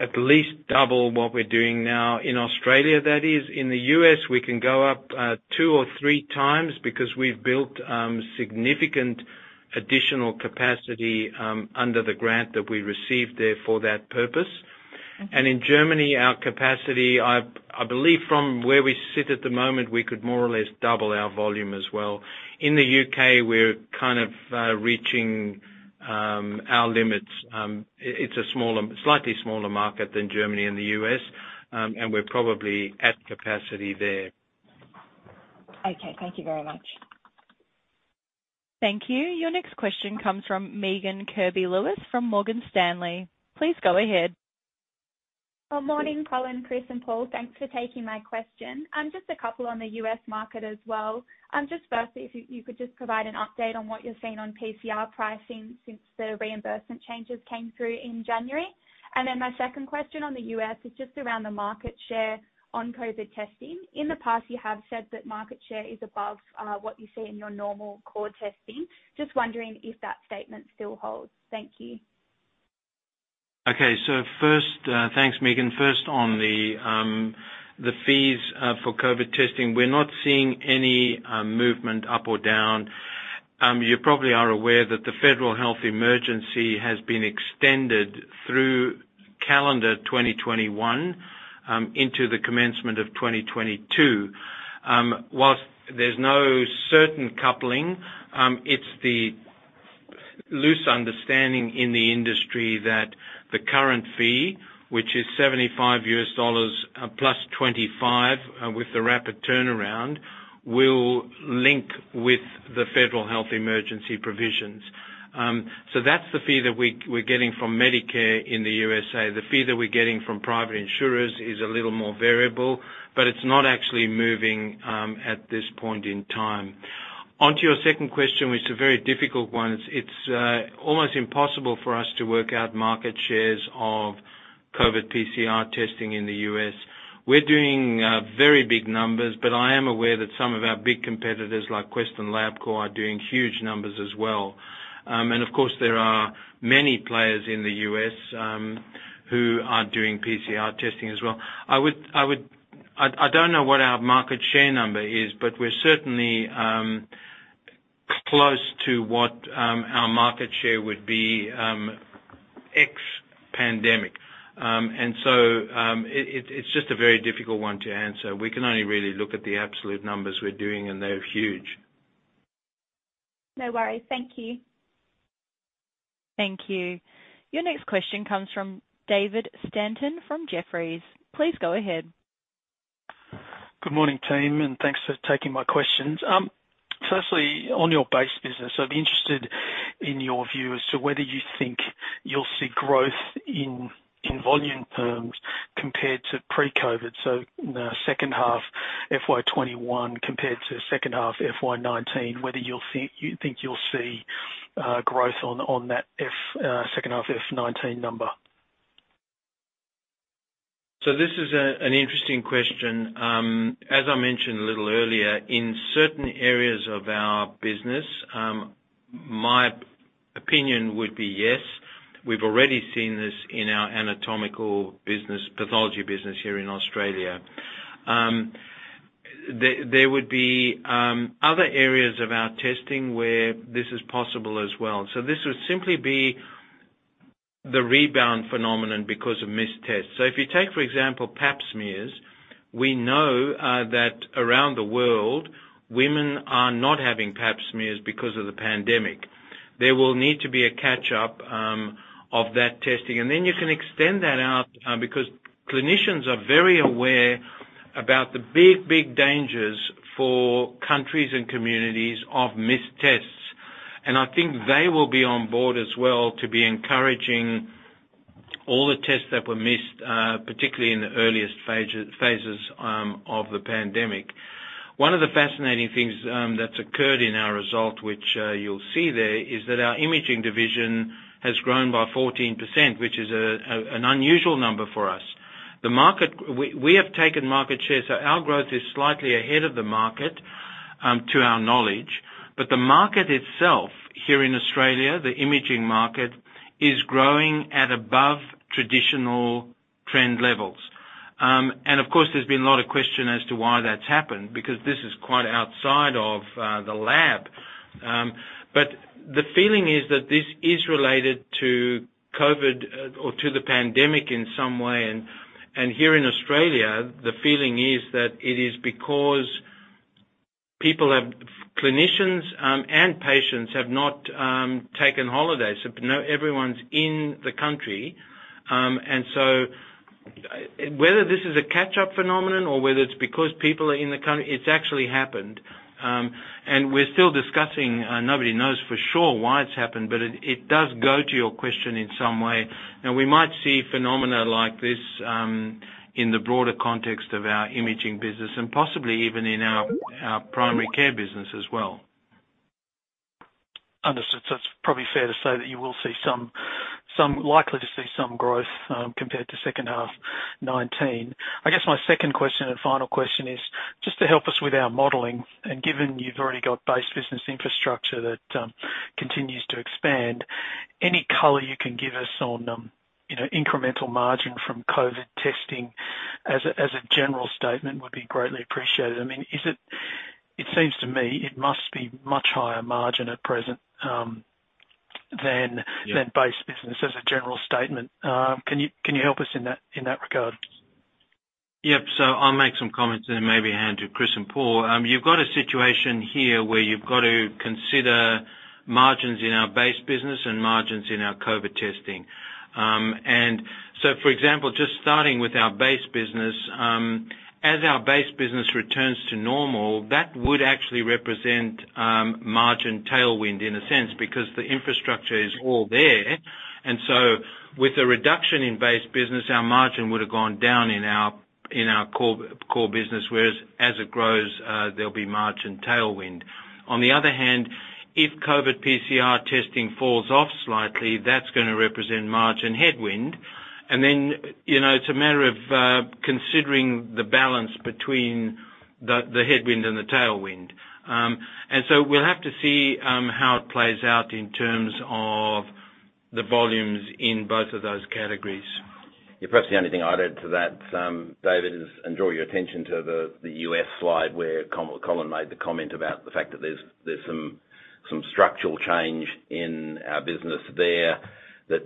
at least double what we're doing now in Australia. That is, in the U.S., we can go up two or three times because we've built significant additional capacity under the grant that we received there for that purpose. Okay. In Germany, our capacity, I believe from where we sit at the moment, we could more or less double our volume as well. In the U.K., we're kind of reaching our limits. It's a slightly smaller market than Germany and the U.S., and we're probably at capacity there. Okay. Thank you very much. Thank you. Your next question comes from Megan Kirby-Lewis from Morgan Stanley. Please go ahead. Good morning, Colin, Chris, and Paul. Thanks for taking my question. Just a couple on the U.S. market as well. Just firstly, if you could just provide an update on what you're seeing on PCR pricing since the reimbursement changes came through in January. Then my second question on the U.S. is just around the market share on COVID testing. In the past, you have said that market share is above what you see in your normal core testing. Just wondering if that statement still holds? Thank you. Okay. First, thanks, Megan. First, on the fees for COVID testing. We're not seeing any movement up or down. You probably are aware that the federal health emergency has been extended through calendar 2021 into the commencement of 2022. While there's no certain coupling, it's the loose understanding in the industry that the current fee, which is $75 plus $25 with the rapid turnaround, will link with the federal health emergency provisions. That's the fee that we're getting from Medicare in the U.S.A. The fee that we're getting from private insurers is a little more variable, but it's not actually moving at this point in time. Onto your second question, which is a very difficult one. It's almost impossible for us to work out market shares of COVID PCR testing in the U.S. We're doing very big numbers, but I am aware that some of our big competitors, like Quest and LabCorp, are doing huge numbers as well. Of course, there are many players in the U.S., who are doing PCR testing as well. I don't know what our market share number is, but we're certainly close to what our market share would be ex-pandemic. It's just a very difficult one to answer. We can only really look at the absolute numbers we're doing, and they're huge. No worries. Thank you. Thank you. Your next question comes from David Stanton from Jefferies. Please go ahead. Good morning, team. Thanks for taking my questions. Firstly, on your base business, I'd be interested in your view as to whether you think you'll see growth in volume terms compared to pre-COVID. In the second half FY 2021 compared to second half FY 2019, whether you think you'll see growth on that second half FY 2019 number. This is an interesting question. As I mentioned a little earlier, in certain areas of our business, my opinion would be yes. We've already seen this in our anatomical pathology business here in Australia. There would be other areas of our testing where this is possible as well. This would simply be the rebound phenomenon because of missed tests. If you take, for example, Pap smears, we know that around the world, women are not having Pap smears because of the pandemic. There will need to be a catch-up of that testing. You can extend that out, because clinicians are very aware about the big, big dangers for countries and communities of missed tests, and I think they will be on board as well to be encouraging all the tests that were missed, particularly in the earliest phases of the pandemic. One of the fascinating things that's occurred in our result, which you'll see there, is that our imaging division has grown by 14%, which is an unusual number for us. Our growth is slightly ahead of the market, to our knowledge. The market itself here in Australia, the imaging market, is growing at above traditional trend levels. Of course, there's been a lot of question as to why that's happened, because this is quite outside of the lab. The feeling is that this is related to COVID or to the pandemic in some way. Here in Australia, the feeling is that it is because clinicians and patients have not taken holidays. Everyone's in the country. Whether this is a catch-up phenomenon or whether it's because people are in the country, it's actually happened. We're still discussing, nobody knows for sure why it's happened, but it does go to your question in some way. We might see phenomena like this, in the broader context of our imaging business and possibly even in our primary care business as well. It's probably fair to say that you will likely to see some growth compared to second half 2019. I guess my second question and final question is just to help us with our modeling, and given you've already got base business infrastructure that continues to expand, any color you can give us on incremental margin from COVID testing as a general statement would be greatly appreciated. It seems to me it must be much higher margin at present than base business as a general statement. Can you help us in that regard? Yep. I'll make some comments, then maybe hand to Chris and Paul. You've got a situation here where you've got to consider margins in our base business and margins in our COVID testing. For example, just starting with our base business, as our base business returns to normal, that would actually represent margin tailwind in a sense, because the infrastructure is all there. With a reduction in base business, our margin would've gone down in our core business, whereas as it grows, there'll be margin tailwind. On the other hand, if COVID PCR testing falls off slightly, that's going to represent margin headwind. It's a matter of considering the balance between the headwind and the tailwind. We'll have to see how it plays out in terms of the volumes in both of those categories. Yeah. Perhaps the only thing I'd add to that, David, is and draw your attention to the U.S. slide where Colin made the comment about the fact that there's some structural change in our business there, that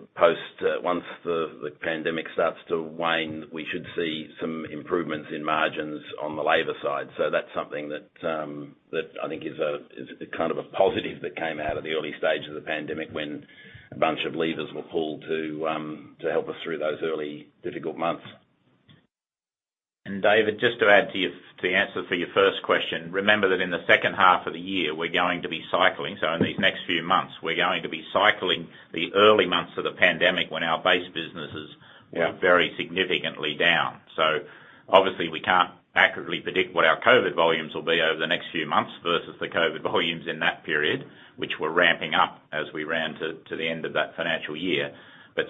once the pandemic starts to wane, we should see some improvements in margins on the labor side. That's something that I think is a positive that came out of the early stage of the pandemic, when a bunch of levers were pulled to help us through those early difficult months. David, just to add to the answer for your first question, remember that in the second half of the year, we're going to be cycling. In these next few months, we're going to be cycling the early months of the pandemic when our base businesses were very significantly down. Obviously we can't accurately predict what our COVID volumes will be over the next few months versus the COVID volumes in that period, which were ramping up as we ran to the end of that financial year.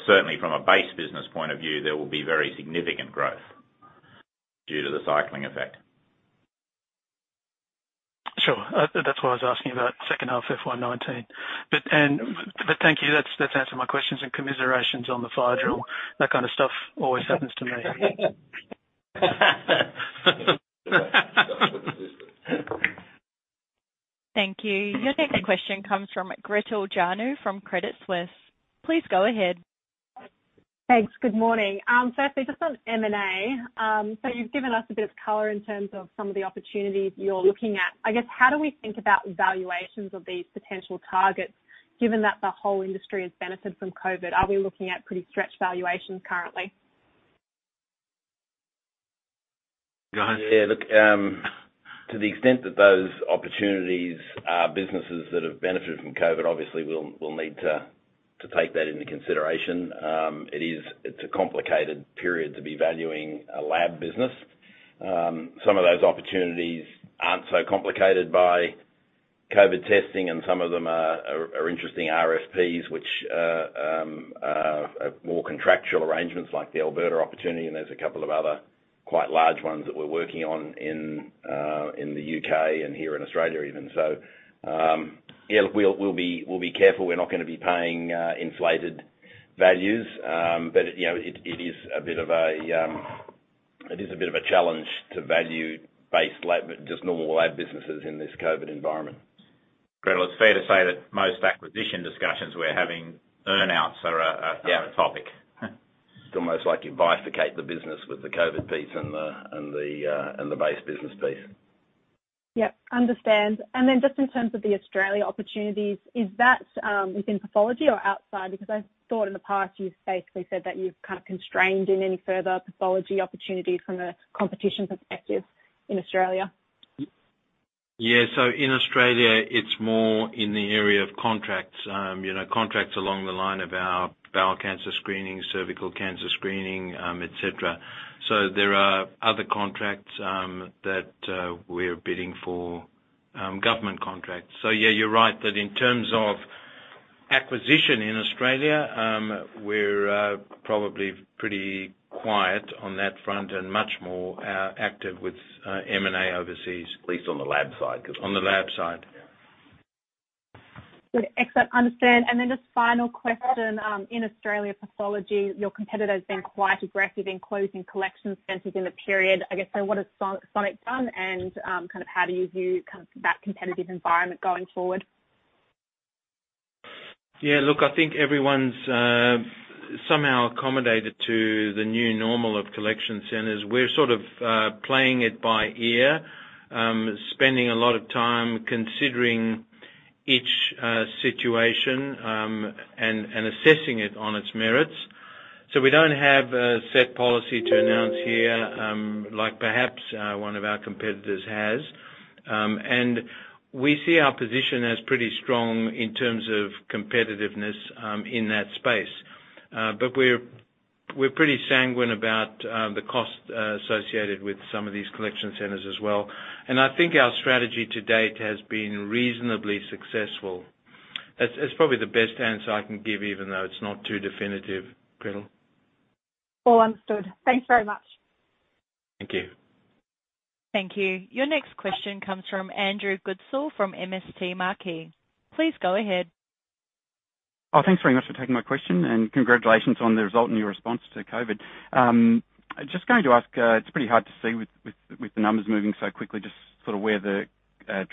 Certainly from a base business point of view, there will be very significant growth due to the cycling effect. Sure. That's why I was asking about second half FY 2019. Thank you. That's answered my questions, and commiserations on the fire drill. That kind of stuff always happens to me. Thank you. Your next question comes from Gretel Janu from Credit Suisse. Please go ahead. Thanks. Good morning. Firstly, just on M&A. You've given us a bit of color in terms of some of the opportunities you're looking at. I guess, how do we think about valuations of these potential targets given that the whole industry has benefited from COVID? Are we looking at pretty stretched valuations currently? Go ahead. To the extent that those opportunities are businesses that have benefited from COVID, obviously we'll need to take that into consideration. It's a complicated period to be valuing a lab business. Some of those opportunities aren't so complicated by COVID testing, and some of them are interesting RFPs, which are more contractual arrangements like the Alberta opportunity, and there's a couple of other quite large ones that we're working on in the U.K. and here in Australia even. We'll be careful. We're not going to be paying inflated values. It is a bit of a challenge to value just normal lab businesses in this COVID environment. Gretel, it's fair to say that most acquisition discussions we're having, earn-outs are a topic. It's almost like you bifurcate the business with the COVID piece and the base business piece. Yep. Understand. Just in terms of the Australia opportunities, is that within pathology or outside? I thought in the past you've basically said that you've kind of constrained in any further pathology opportunities from a competition perspective in Australia. Yeah. In Australia, it's more in the area of contracts. Contracts along the line of our bowel cancer screening, cervical cancer screening, et cetera. There are other contracts that we're bidding for, government contracts. Yeah, you're right, that in terms of acquisition in Australia, we're probably pretty quiet on that front and much more active with M&A overseas. At least on the lab side. On the lab side. Good. Excellent. Understand. Just final question. In Australia pathology, your competitor's been quite aggressive in closing collection centers in the period. I guess what has Sonic done, and how do you view that competitive environment going forward? Yeah, look, I think everyone's somehow accommodated to the new normal of collection centers. We're sort of playing it by ear, spending a lot of time considering each situation, and assessing it on its merits. We don't have a set policy to announce here, like perhaps, one of our competitors has. We see our position as pretty strong in terms of competitiveness in that space. We're pretty sanguine about the cost associated with some of these collection centers as well. I think our strategy to date has been reasonably successful. That's probably the best answer I can give, even though it's not too definitive, Gretel. All understood. Thanks very much. Thank you. Thank you. Your next question comes from Andrew Goodsall from MST Marquee. Please go ahead. Thanks very much for taking my question, and congratulations on the result and your response to COVID. Just going to ask, it's pretty hard to see with the numbers moving so quickly, just sort of where the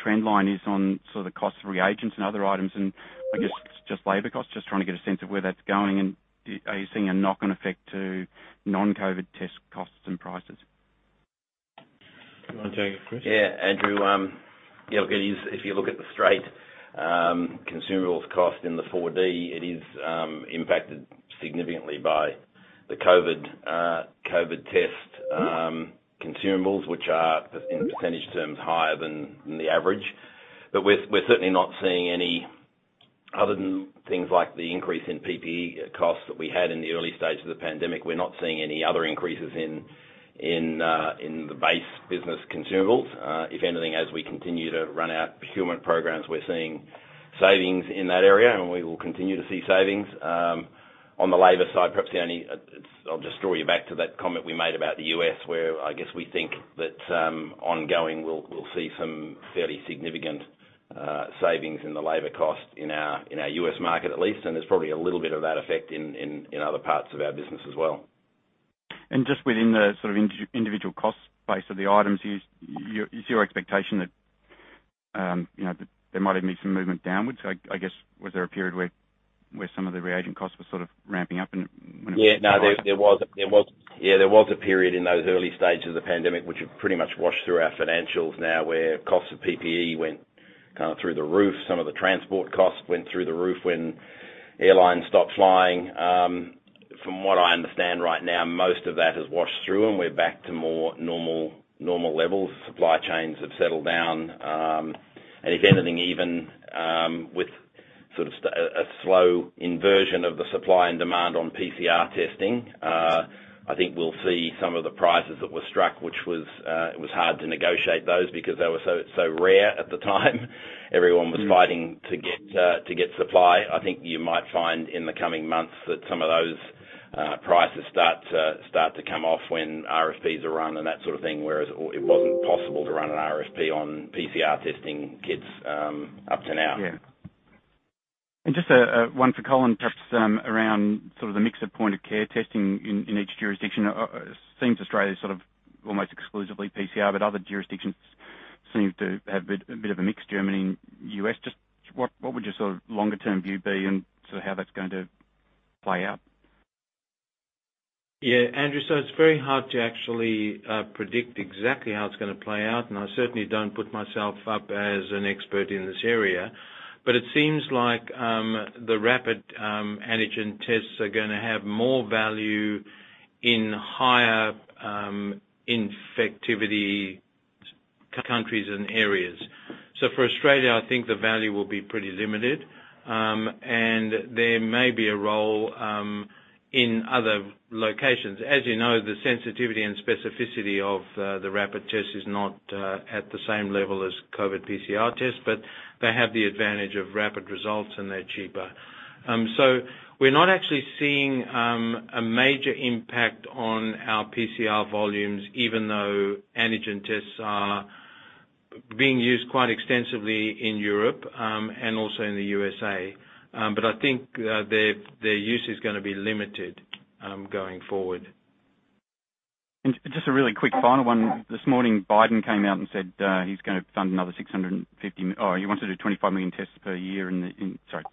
trend line is on sort of the cost of reagents and other items, and I guess just labor costs. Just trying to get a sense of where that's going, and are you seeing a knock-on effect to non-COVID test costs and prices? You want to take it, Chris? Yeah, Andrew. If you look at the straight consumables cost in the 4E's, it is impacted significantly by the COVID test consumables, which are, in percentage terms, higher than the average. We're certainly, other than things like the increase in PPE costs that we had in the early stages of the pandemic, we're not seeing any other increases in the base business consumables. If anything, as we continue to run our procurement programs, we're seeing savings in that area, and we will continue to see savings. On the labor side, perhaps the only, I'll just draw you back to that comment we made about the U.S., where I guess we think that ongoing we'll see some fairly significant savings in the labor cost in our U.S. market at least. There's probably a little bit of that effect in other parts of our business as well. Just within the sort of individual cost base of the items, is your expectation that there might even be some movement downwards? I guess, was there a period where some of the reagent costs were sort of ramping up? Yeah. No, there was. Yeah, there was a period in those early stages of the pandemic, which have pretty much washed through our financials now, where costs of PPE went kind of through the roof. Some of the transport costs went through the roof when airlines stopped flying. From what I understand right now, most of that has washed through, and we're back to more normal levels. Supply chains have settled down. If anything, even with sort of a slow inversion of the supply and demand on PCR testing, I think we'll see some of the prices that were struck, which it was hard to negotiate those because they were so rare at the time. Everyone was fighting to get supply. I think you might find in the coming months that some of those prices start to come off when RFPs are run and that sort of thing. Whereas it wasn't possible to run an RFP on PCR testing kits up to now. Yeah. Just one for Colin, perhaps around sort of the mix of point-of-care testing in each jurisdiction. It seems Australia's sort of almost exclusively PCR, but other jurisdictions seem to have a bit of a mix. Germany and U.S. Just what would your sort of longer-term view be and sort of how that's going to play out? Yeah, Andrew, it's very hard to actually predict exactly how it's going to play out, and I certainly don't put myself up as an expert in this area. It seems like the rapid antigen tests are going to have more value in higher infectivity countries and areas. For Australia, I think the value will be pretty limited. There may be a role in other locations. As you know, the sensitivity and specificity of the rapid test is not at the same level as COVID PCR tests, they have the advantage of rapid results, and they're cheaper. We're not actually seeing a major impact on our PCR volumes, even though antigen tests are being used quite extensively in Europe, and also in the U.S.A. I think their use is going to be limited going forward. Just a really quick final one. This morning, Biden came out and said, he's going to fund another 25 million tests per year in the, sorry,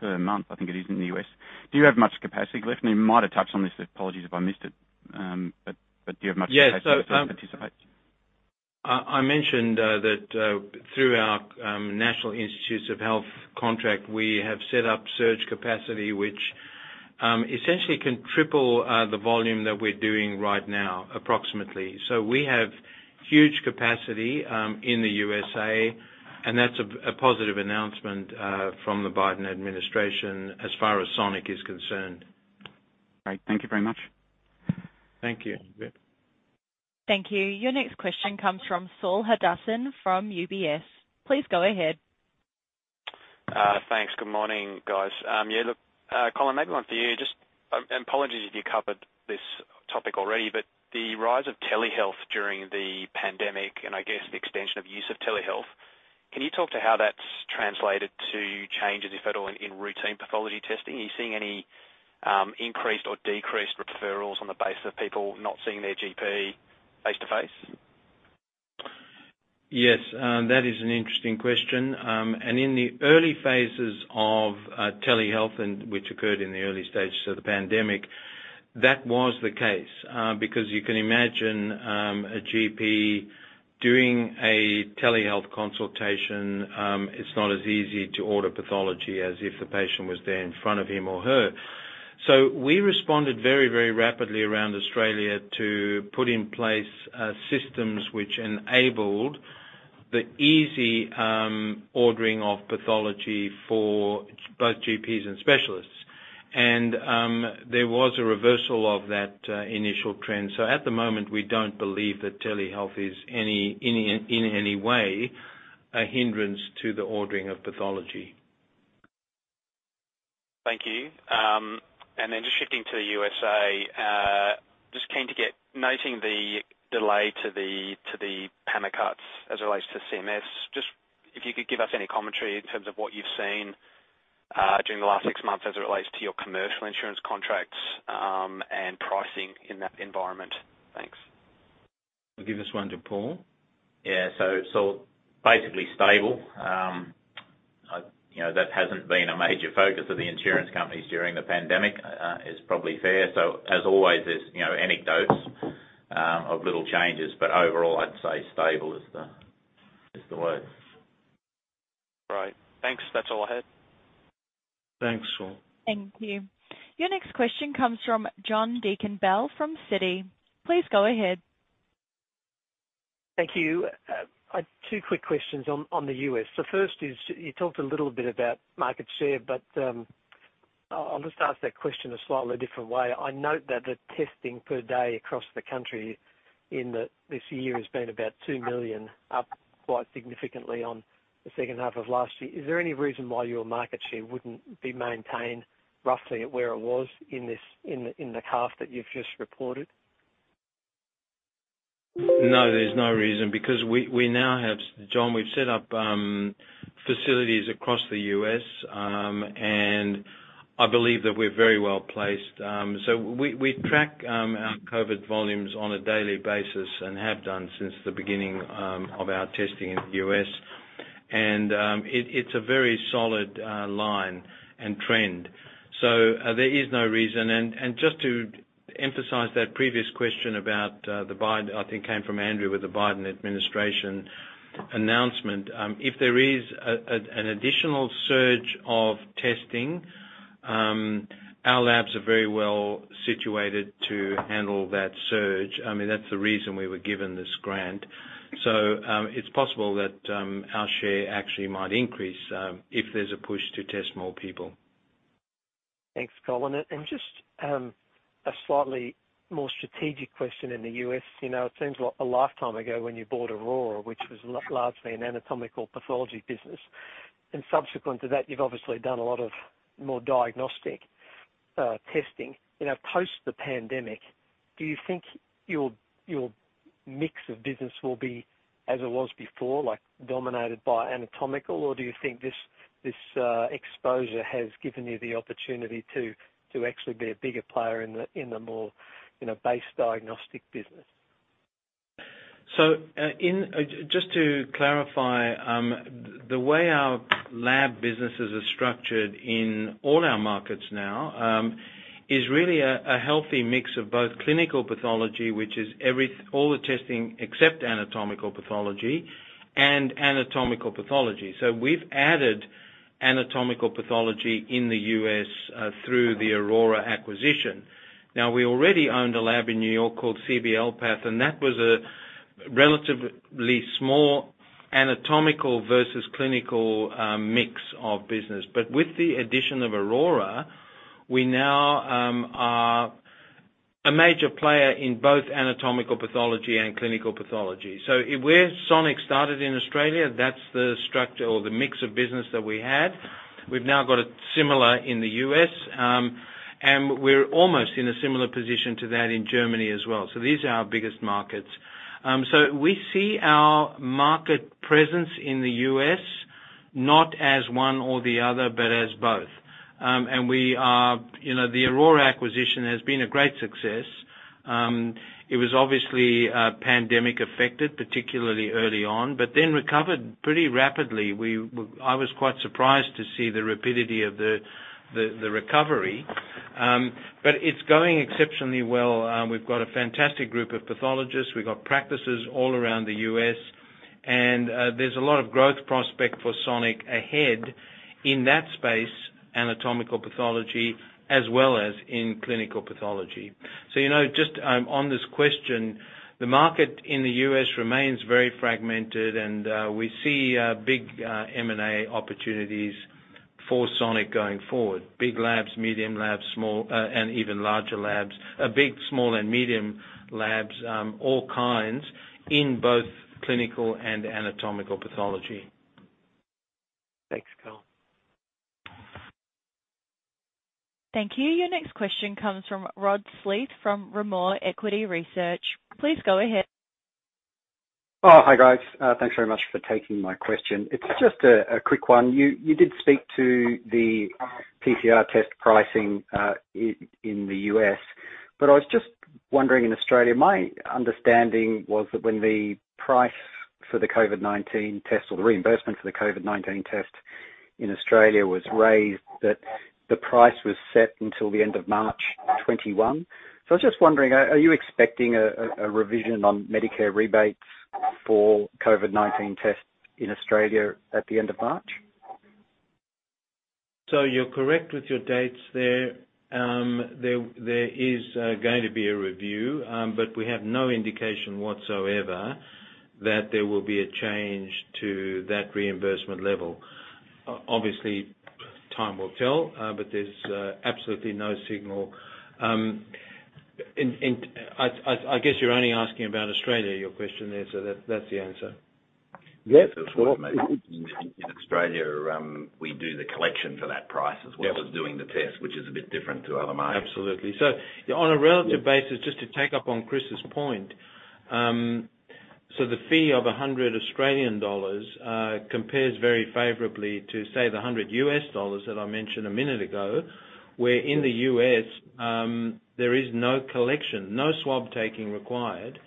per month, I think it is, in the U.S. Do you have much capacity left? He might have touched on this, apologies if I missed it, but do you have much capacity- Yes left to participate? I mentioned that through our National Institutes of Health contract, we have set up surge capacity, which essentially can triple the volume that we're doing right now, approximately. We have huge capacity in the USA, and that's a positive announcement from the Biden administration as far as Sonic is concerned. Great. Thank you very much. Thank you. Yeah. Thank you. Your next question comes from Saul Hadassin from UBS. Please go ahead. Thanks. Good morning, guys. Yeah, look, Colin, maybe one for you. Just apologies if you covered this topic already, the rise of telehealth during the pandemic, and I guess the extension of use of telehealth, can you talk to how that's translated to changes, if at all, in routine pathology testing? Are you seeing any increased or decreased referrals on the basis of people not seeing their GP face-to-face? Yes. That is an interesting question. In the early phases of telehealth, which occurred in the early stages of the pandemic, that was the case. Because you can imagine a GP doing a telehealth consultation, it's not as easy to order pathology as if the patient was there in front of him or her. We responded very rapidly around Australia to put in place systems which enabled the easy ordering of pathology for both GPs and specialists. There was a reversal of that initial trend. At the moment, we don't believe that telehealth is in any way a hindrance to the ordering of pathology. Thank you. Just shifting to the U.S.A., just keen to get, noting the delay to the PAMA cuts as it relates to CMS, just if you could give us any commentary in terms of what you've seen during the last six months as it relates to your commercial insurance contracts, and pricing in that environment. Thanks. I'll give this one to Paul. Yeah. Basically stable. That hasn't been a major focus of the insurance companies during the pandemic, is probably fair. As always, there's anecdotes of little changes, but overall, I'd say stable is the word. Right. Thanks. That's all I had. Thanks, Saul. Thank you. Your next question comes from John Deakin-Bell from Citi. Please go ahead. Thank you. I had two quick questions on the U.S. First is, you talked a little bit about market share, but I'll just ask that question a slightly different way. I note that the testing per day across the country in this year has been about two million, up quite significantly on the second half of last year. Is there any reason why your market share wouldn't be maintained roughly at where it was in the half that you've just reported? No, there's no reason, because we now have, John, we've set up facilities across the U.S., and I believe that we're very well-placed. We track our COVID volumes on a daily basis and have done since the beginning of our testing in the U.S., and it's a very solid line and trend. There is no reason. Just to emphasize that previous question about the Biden, I think it came from Andrew, with the Biden administration announcement. If there is an additional surge of testing, our labs are very well situated to handle that surge. I mean, that's the reason we were given this grant. It's possible that our share actually might increase if there's a push to test more people. Thanks, Colin. Just a slightly more strategic question in the U.S. It seems like a lifetime ago when you bought Aurora, which was largely an anatomical pathology business. Subsequent to that, you've obviously done a lot of more diagnostic testing. Post the pandemic, do you think your mix of business will be as it was before, like dominated by anatomical, or do you think this exposure has given you the opportunity to actually be a bigger player in the more base diagnostic business? Just to clarify, the way our lab businesses are structured in all our markets now, is really a healthy mix of both clinical pathology, which is all the testing except anatomical pathology, and anatomical pathology. We've added anatomical pathology in the U.S. through the Aurora acquisition. We already owned a lab in New York called CBLPath, and that was a relatively small anatomical versus clinical mix of business. With the addition of Aurora, we now are a major player in both anatomical pathology and clinical pathology. Where Sonic started in Australia, that's the structure or the mix of business that we had. We've now got it similar in the U.S., and we're almost in a similar position to that in Germany as well. These are our biggest markets. We see our market presence in the U.S. not as one or the other, but as both. The Aurora acquisition has been a great success. It was obviously pandemic affected, particularly early on, but then recovered pretty rapidly. I was quite surprised to see the rapidity of the recovery, but it's going exceptionally well. We've got a fantastic group of pathologists. We've got practices all around the U.S., and there's a lot of growth prospect for Sonic ahead in that space, anatomical pathology, as well as in clinical pathology. Just on this question, the market in the U.S. remains very fragmented, and we see big M&A opportunities for Sonic going forward. Big labs, medium labs, small, and even larger labs. Big, small, and medium labs, all kinds in both clinical and anatomical pathology. Thanks, Colin. Thank you. Your next question comes from Rod Sleath from Rimor Equity Research. Please go ahead. Oh, hi, guys. Thanks very much for taking my question. It's just a quick one. You did speak to the PCR test pricing in the U.S., but I was just wondering in Australia, my understanding was that when the price for the COVID-19 test or the reimbursement for the COVID-19 test in Australia was raised, that the price was set until the end of March 2021. I was just wondering, are you expecting a revision on Medicare rebates for COVID-19 tests in Australia at the end of March? You're correct with your dates there. There is going to be a review, but we have no indication whatsoever that there will be a change to that reimbursement level. Obviously, time will tell, but there's absolutely no signal. I guess you're only asking about Australia, your question there, so that's the answer. Yes. In Australia, we do the collection for that price as well. Yep as doing the test, which is a bit different to other markets. Absolutely. On a relative basis, just to take up on Chris's point. The fee of 100 Australian dollars compares very favorably to, say, the $100 that I mentioned a minute ago, where in the U.S., there is no collection, no swab taking required.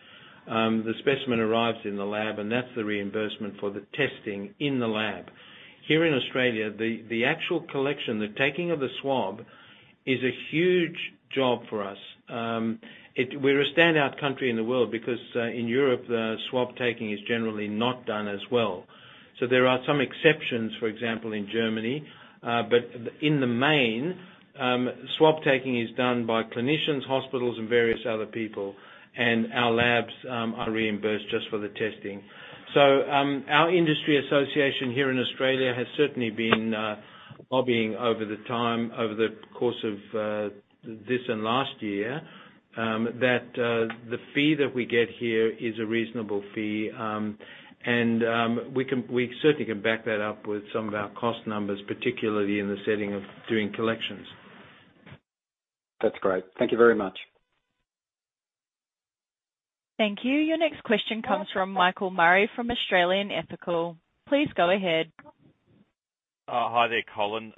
The specimen arrives in the lab, and that's the reimbursement for the testing in the lab. Here in Australia, the actual collection, the taking of the swab, is a huge job for us. We're a standout country in the world because, in Europe, the swab taking is generally not done as well. There are some exceptions, for example, in Germany. In the main, swab taking is done by clinicians, hospitals, and various other people, and our labs are reimbursed just for the testing. Our industry association here in Australia has certainly been lobbying over the time, over the course of this and last year, that the fee that we get here is a reasonable fee. We certainly can back that up with some of our cost numbers, particularly in the setting of doing collections. That's great. Thank you very much. Thank you. Your next question comes from Mike Murray from Australian Ethical. Please go ahead. Hi there, Colin.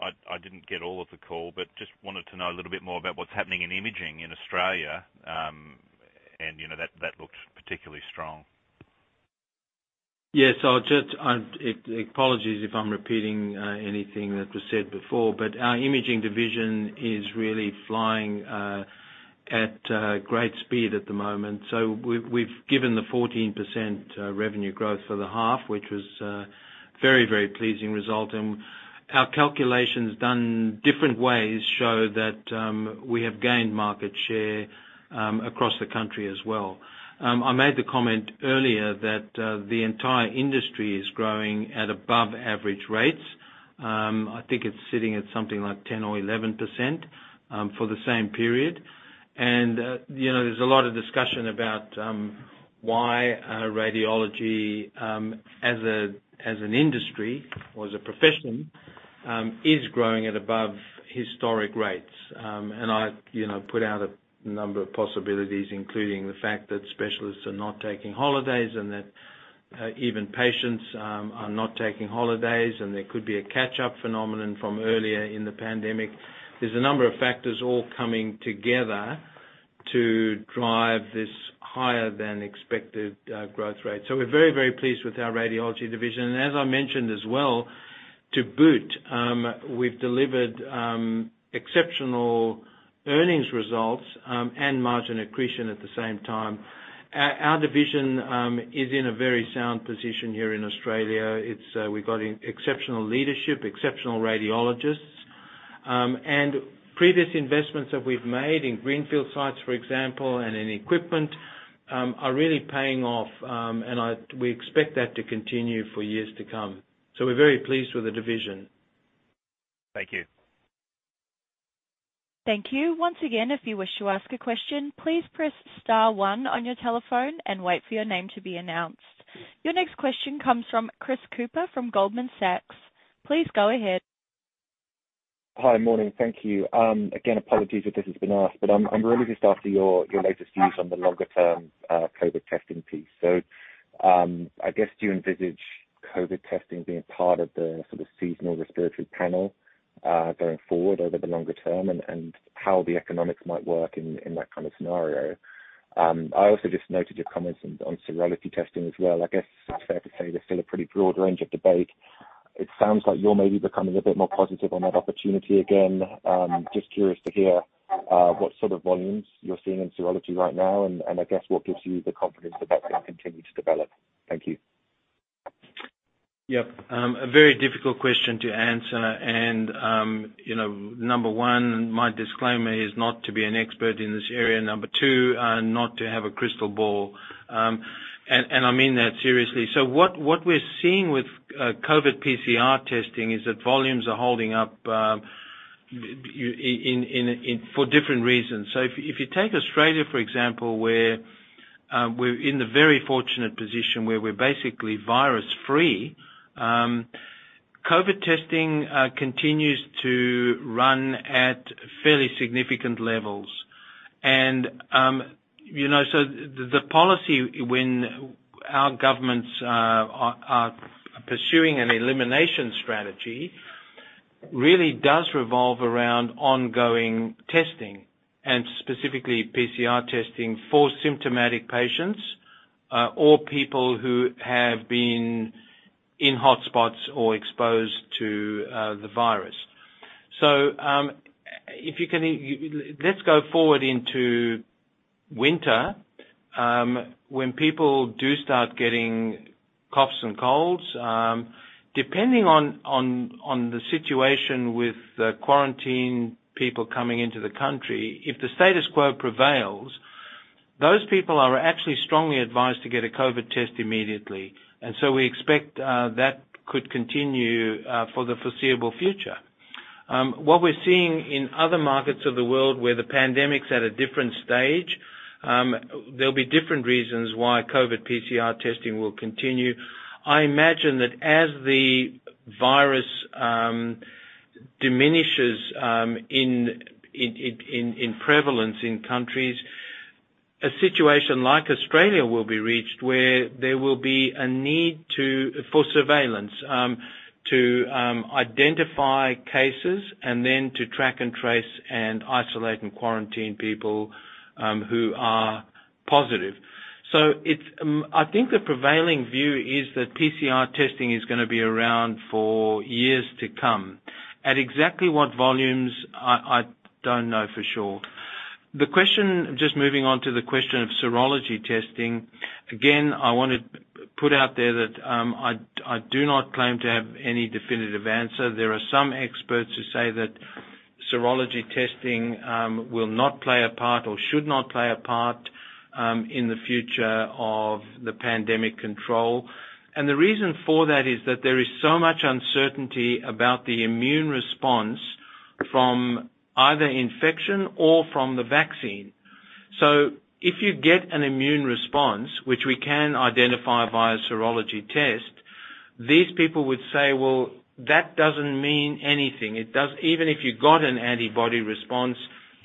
I didn't get all of the call, but just wanted to know a little bit more about what's happening in imaging in Australia. That looks particularly strong. Yes. Apologies if I'm repeating anything that was said before, our imaging division is really flying at great speed at the moment. We've given the 14% revenue growth for the half, which was a very, very pleasing result, and our calculations done different ways show that we have gained market share across the country as well. I made the comment earlier that the entire industry is growing at above average rates. I think it's sitting at something like 10% or 11% for the same period. There's a lot of discussion about why radiology, as an industry or as a profession, is growing at above historic rates. I put out a number of possibilities, including the fact that specialists are not taking holidays and that even patients are not taking holidays, and there could be a catch-up phenomenon from earlier in the pandemic. There's a number of factors all coming together to drive this higher than expected growth rate. We're very, very pleased with our radiology division. As I mentioned as well, to boot, we've delivered exceptional earnings results and margin accretion at the same time. Our division is in a very sound position here in Australia. We've got exceptional leadership, exceptional radiologists. Previous investments that we've made in greenfield sites, for example, and in equipment, are really paying off. We expect that to continue for years to come. We're very pleased with the division. Thank you. Thank you. Once again, if you wish to ask a question, please press star one on your telephone and wait for your name to be announced. Your next question comes from Chris Cooper from Goldman Sachs. Please go ahead. Hi. Morning. Thank you. Apologies if this has been asked, but I'm really just after your latest views on the longer-term COVID testing piece. I guess do you envisage COVID testing being part of the sort of seasonal respiratory panel, going forward over the longer term, and how the economics might work in that kind of scenario? I also just noted your comments on serology testing as well. I guess it's fair to say there's still a pretty broad range of debate. It sounds like you're maybe becoming a bit more positive on that opportunity again. I'm just curious to hear what sort of volumes you're seeing in serology right now, and I guess what gives you the confidence that that's going to continue to develop. Thank you. Yep. Number one, my disclaimer is not to be an expert in this area. Number two, not to have a crystal ball. I mean that seriously. What we're seeing with COVID PCR testing is that volumes are holding up for different reasons. If you take Australia, for example, where we're in the very fortunate position where we're basically virus-free, COVID testing continues to run at fairly significant levels. The policy when our governments are pursuing an elimination strategy really does revolve around ongoing testing and specifically PCR testing for symptomatic patients, or people who have been in hotspots or exposed to the virus. Let's go forward into winter, when people do start getting coughs and colds. Depending on the situation with the quarantine, people coming into the country, if the status quo prevails, those people are actually strongly advised to get a COVID test immediately. We expect that could continue for the foreseeable future. What we're seeing in other markets of the world where the pandemic's at a different stage, there'll be different reasons why COVID PCR testing will continue. I imagine that as the virus diminishes in prevalence in countries, a situation like Australia will be reached, where there will be a need for surveillance to identify cases and then to track and trace and isolate and quarantine people who are positive. I think the prevailing view is that PCR testing is going to be around for years to come. At exactly what volumes, I don't know for sure. Just moving on to the question of serology testing. Again, I want to put out there that I do not claim to have any definitive answer. There are some experts who say that serology testing will not play a part or should not play a part in the future of the pandemic control. The reason for that is that there is so much uncertainty about the immune response from either infection or from the vaccine. If you get an immune response, which we can identify via serology test, these people would say, "Well, that doesn't mean anything. Even if you got an antibody response,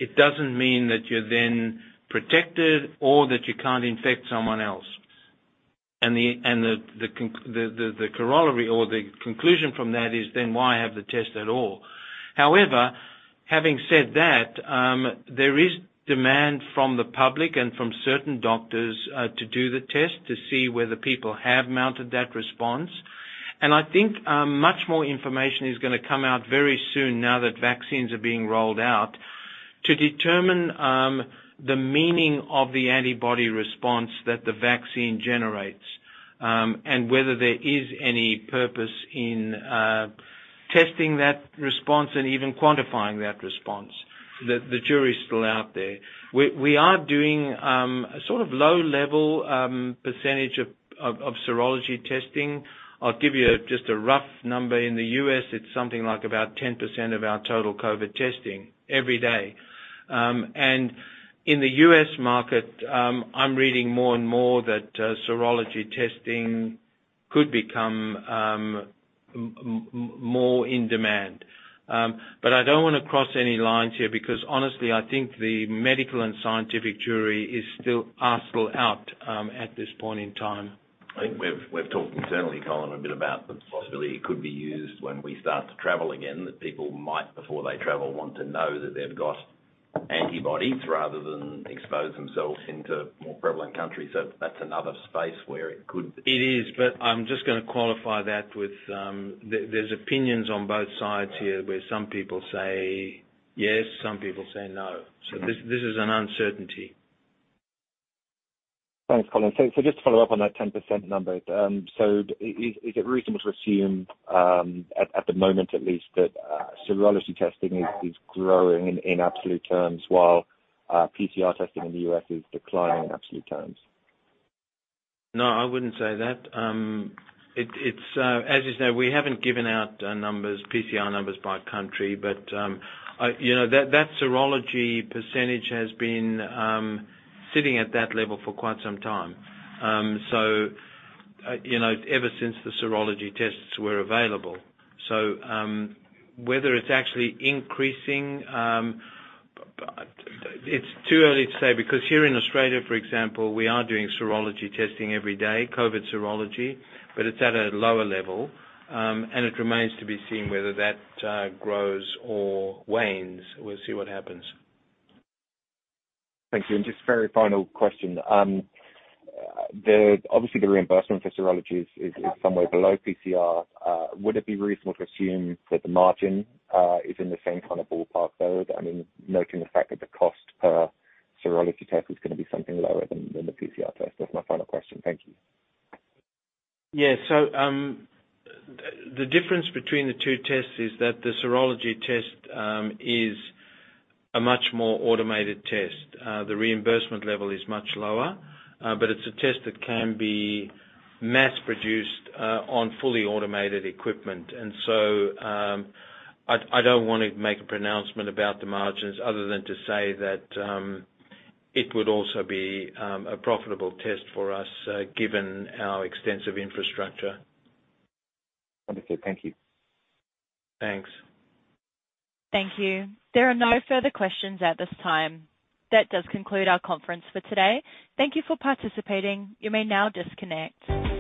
it doesn't mean that you're then protected or that you can't infect someone else." The corollary or the conclusion from that is then why have the test at all? However, having said that, there is demand from the public and from certain doctors to do the test to see whether people have mounted that response. I think much more information is going to come out very soon now that vaccines are being rolled out to determine the meaning of the antibody response that the vaccine generates, and whether there is any purpose in testing that response and even quantifying that response. The jury is still out there. We are doing sort of low level percentage of serology testing. I'll give you just a rough number. In the U.S., it's something like about 10% of our total COVID testing every day. In the U.S. market, I'm reading more and more that serology testing could become more in demand. I don't want to cross any lines here because honestly, I think the medical and scientific jury is still out at this point in time. I think we've talked internally, Colin, a bit about the possibility it could be used when we start to travel again. That people might, before they travel, want to know that they've got antibodies rather than expose themselves into more prevalent countries. That's another space where it could- It is. I'm just going to qualify that with, there's opinions on both sides here, where some people say yes, some people say no. This is an uncertainty. Thanks, Colin. Just to follow up on that 10% number. Is it reasonable to assume, at the moment at least, that serology testing is growing in absolute terms while PCR testing in the U.S. is declining in absolute terms? No, I wouldn't say that. As you know, we haven't given out PCR numbers by country. That serology percentage has been sitting at that level for quite some time. Ever since the serology tests were available. Whether it's actually increasing, it's too early to say, because here in Australia, for example, we are doing serology testing every day, COVID serology, but it's at a lower level. It remains to be seen whether that grows or wanes. We'll see what happens. Thank you. Just very final question. Obviously, the reimbursement for serology is somewhere below PCR. Would it be reasonable to assume that the margin is in the same kind of ballpark though? I mean, noting the fact that the cost per serology test is going to be something lower than the PCR test. That's my final question. Thank you. Yeah. The difference between the two tests is that the serology test is a much more automated test. The reimbursement level is much lower. It's a test that can be mass-produced on fully automated equipment. I don't want to make a pronouncement about the margins other than to say that it would also be a profitable test for us given our extensive infrastructure. Wonderful. Thank you. Thanks. Thank you. There are no further questions at this time. That does conclude our conference for today. Thank you for participating. You may now disconnect.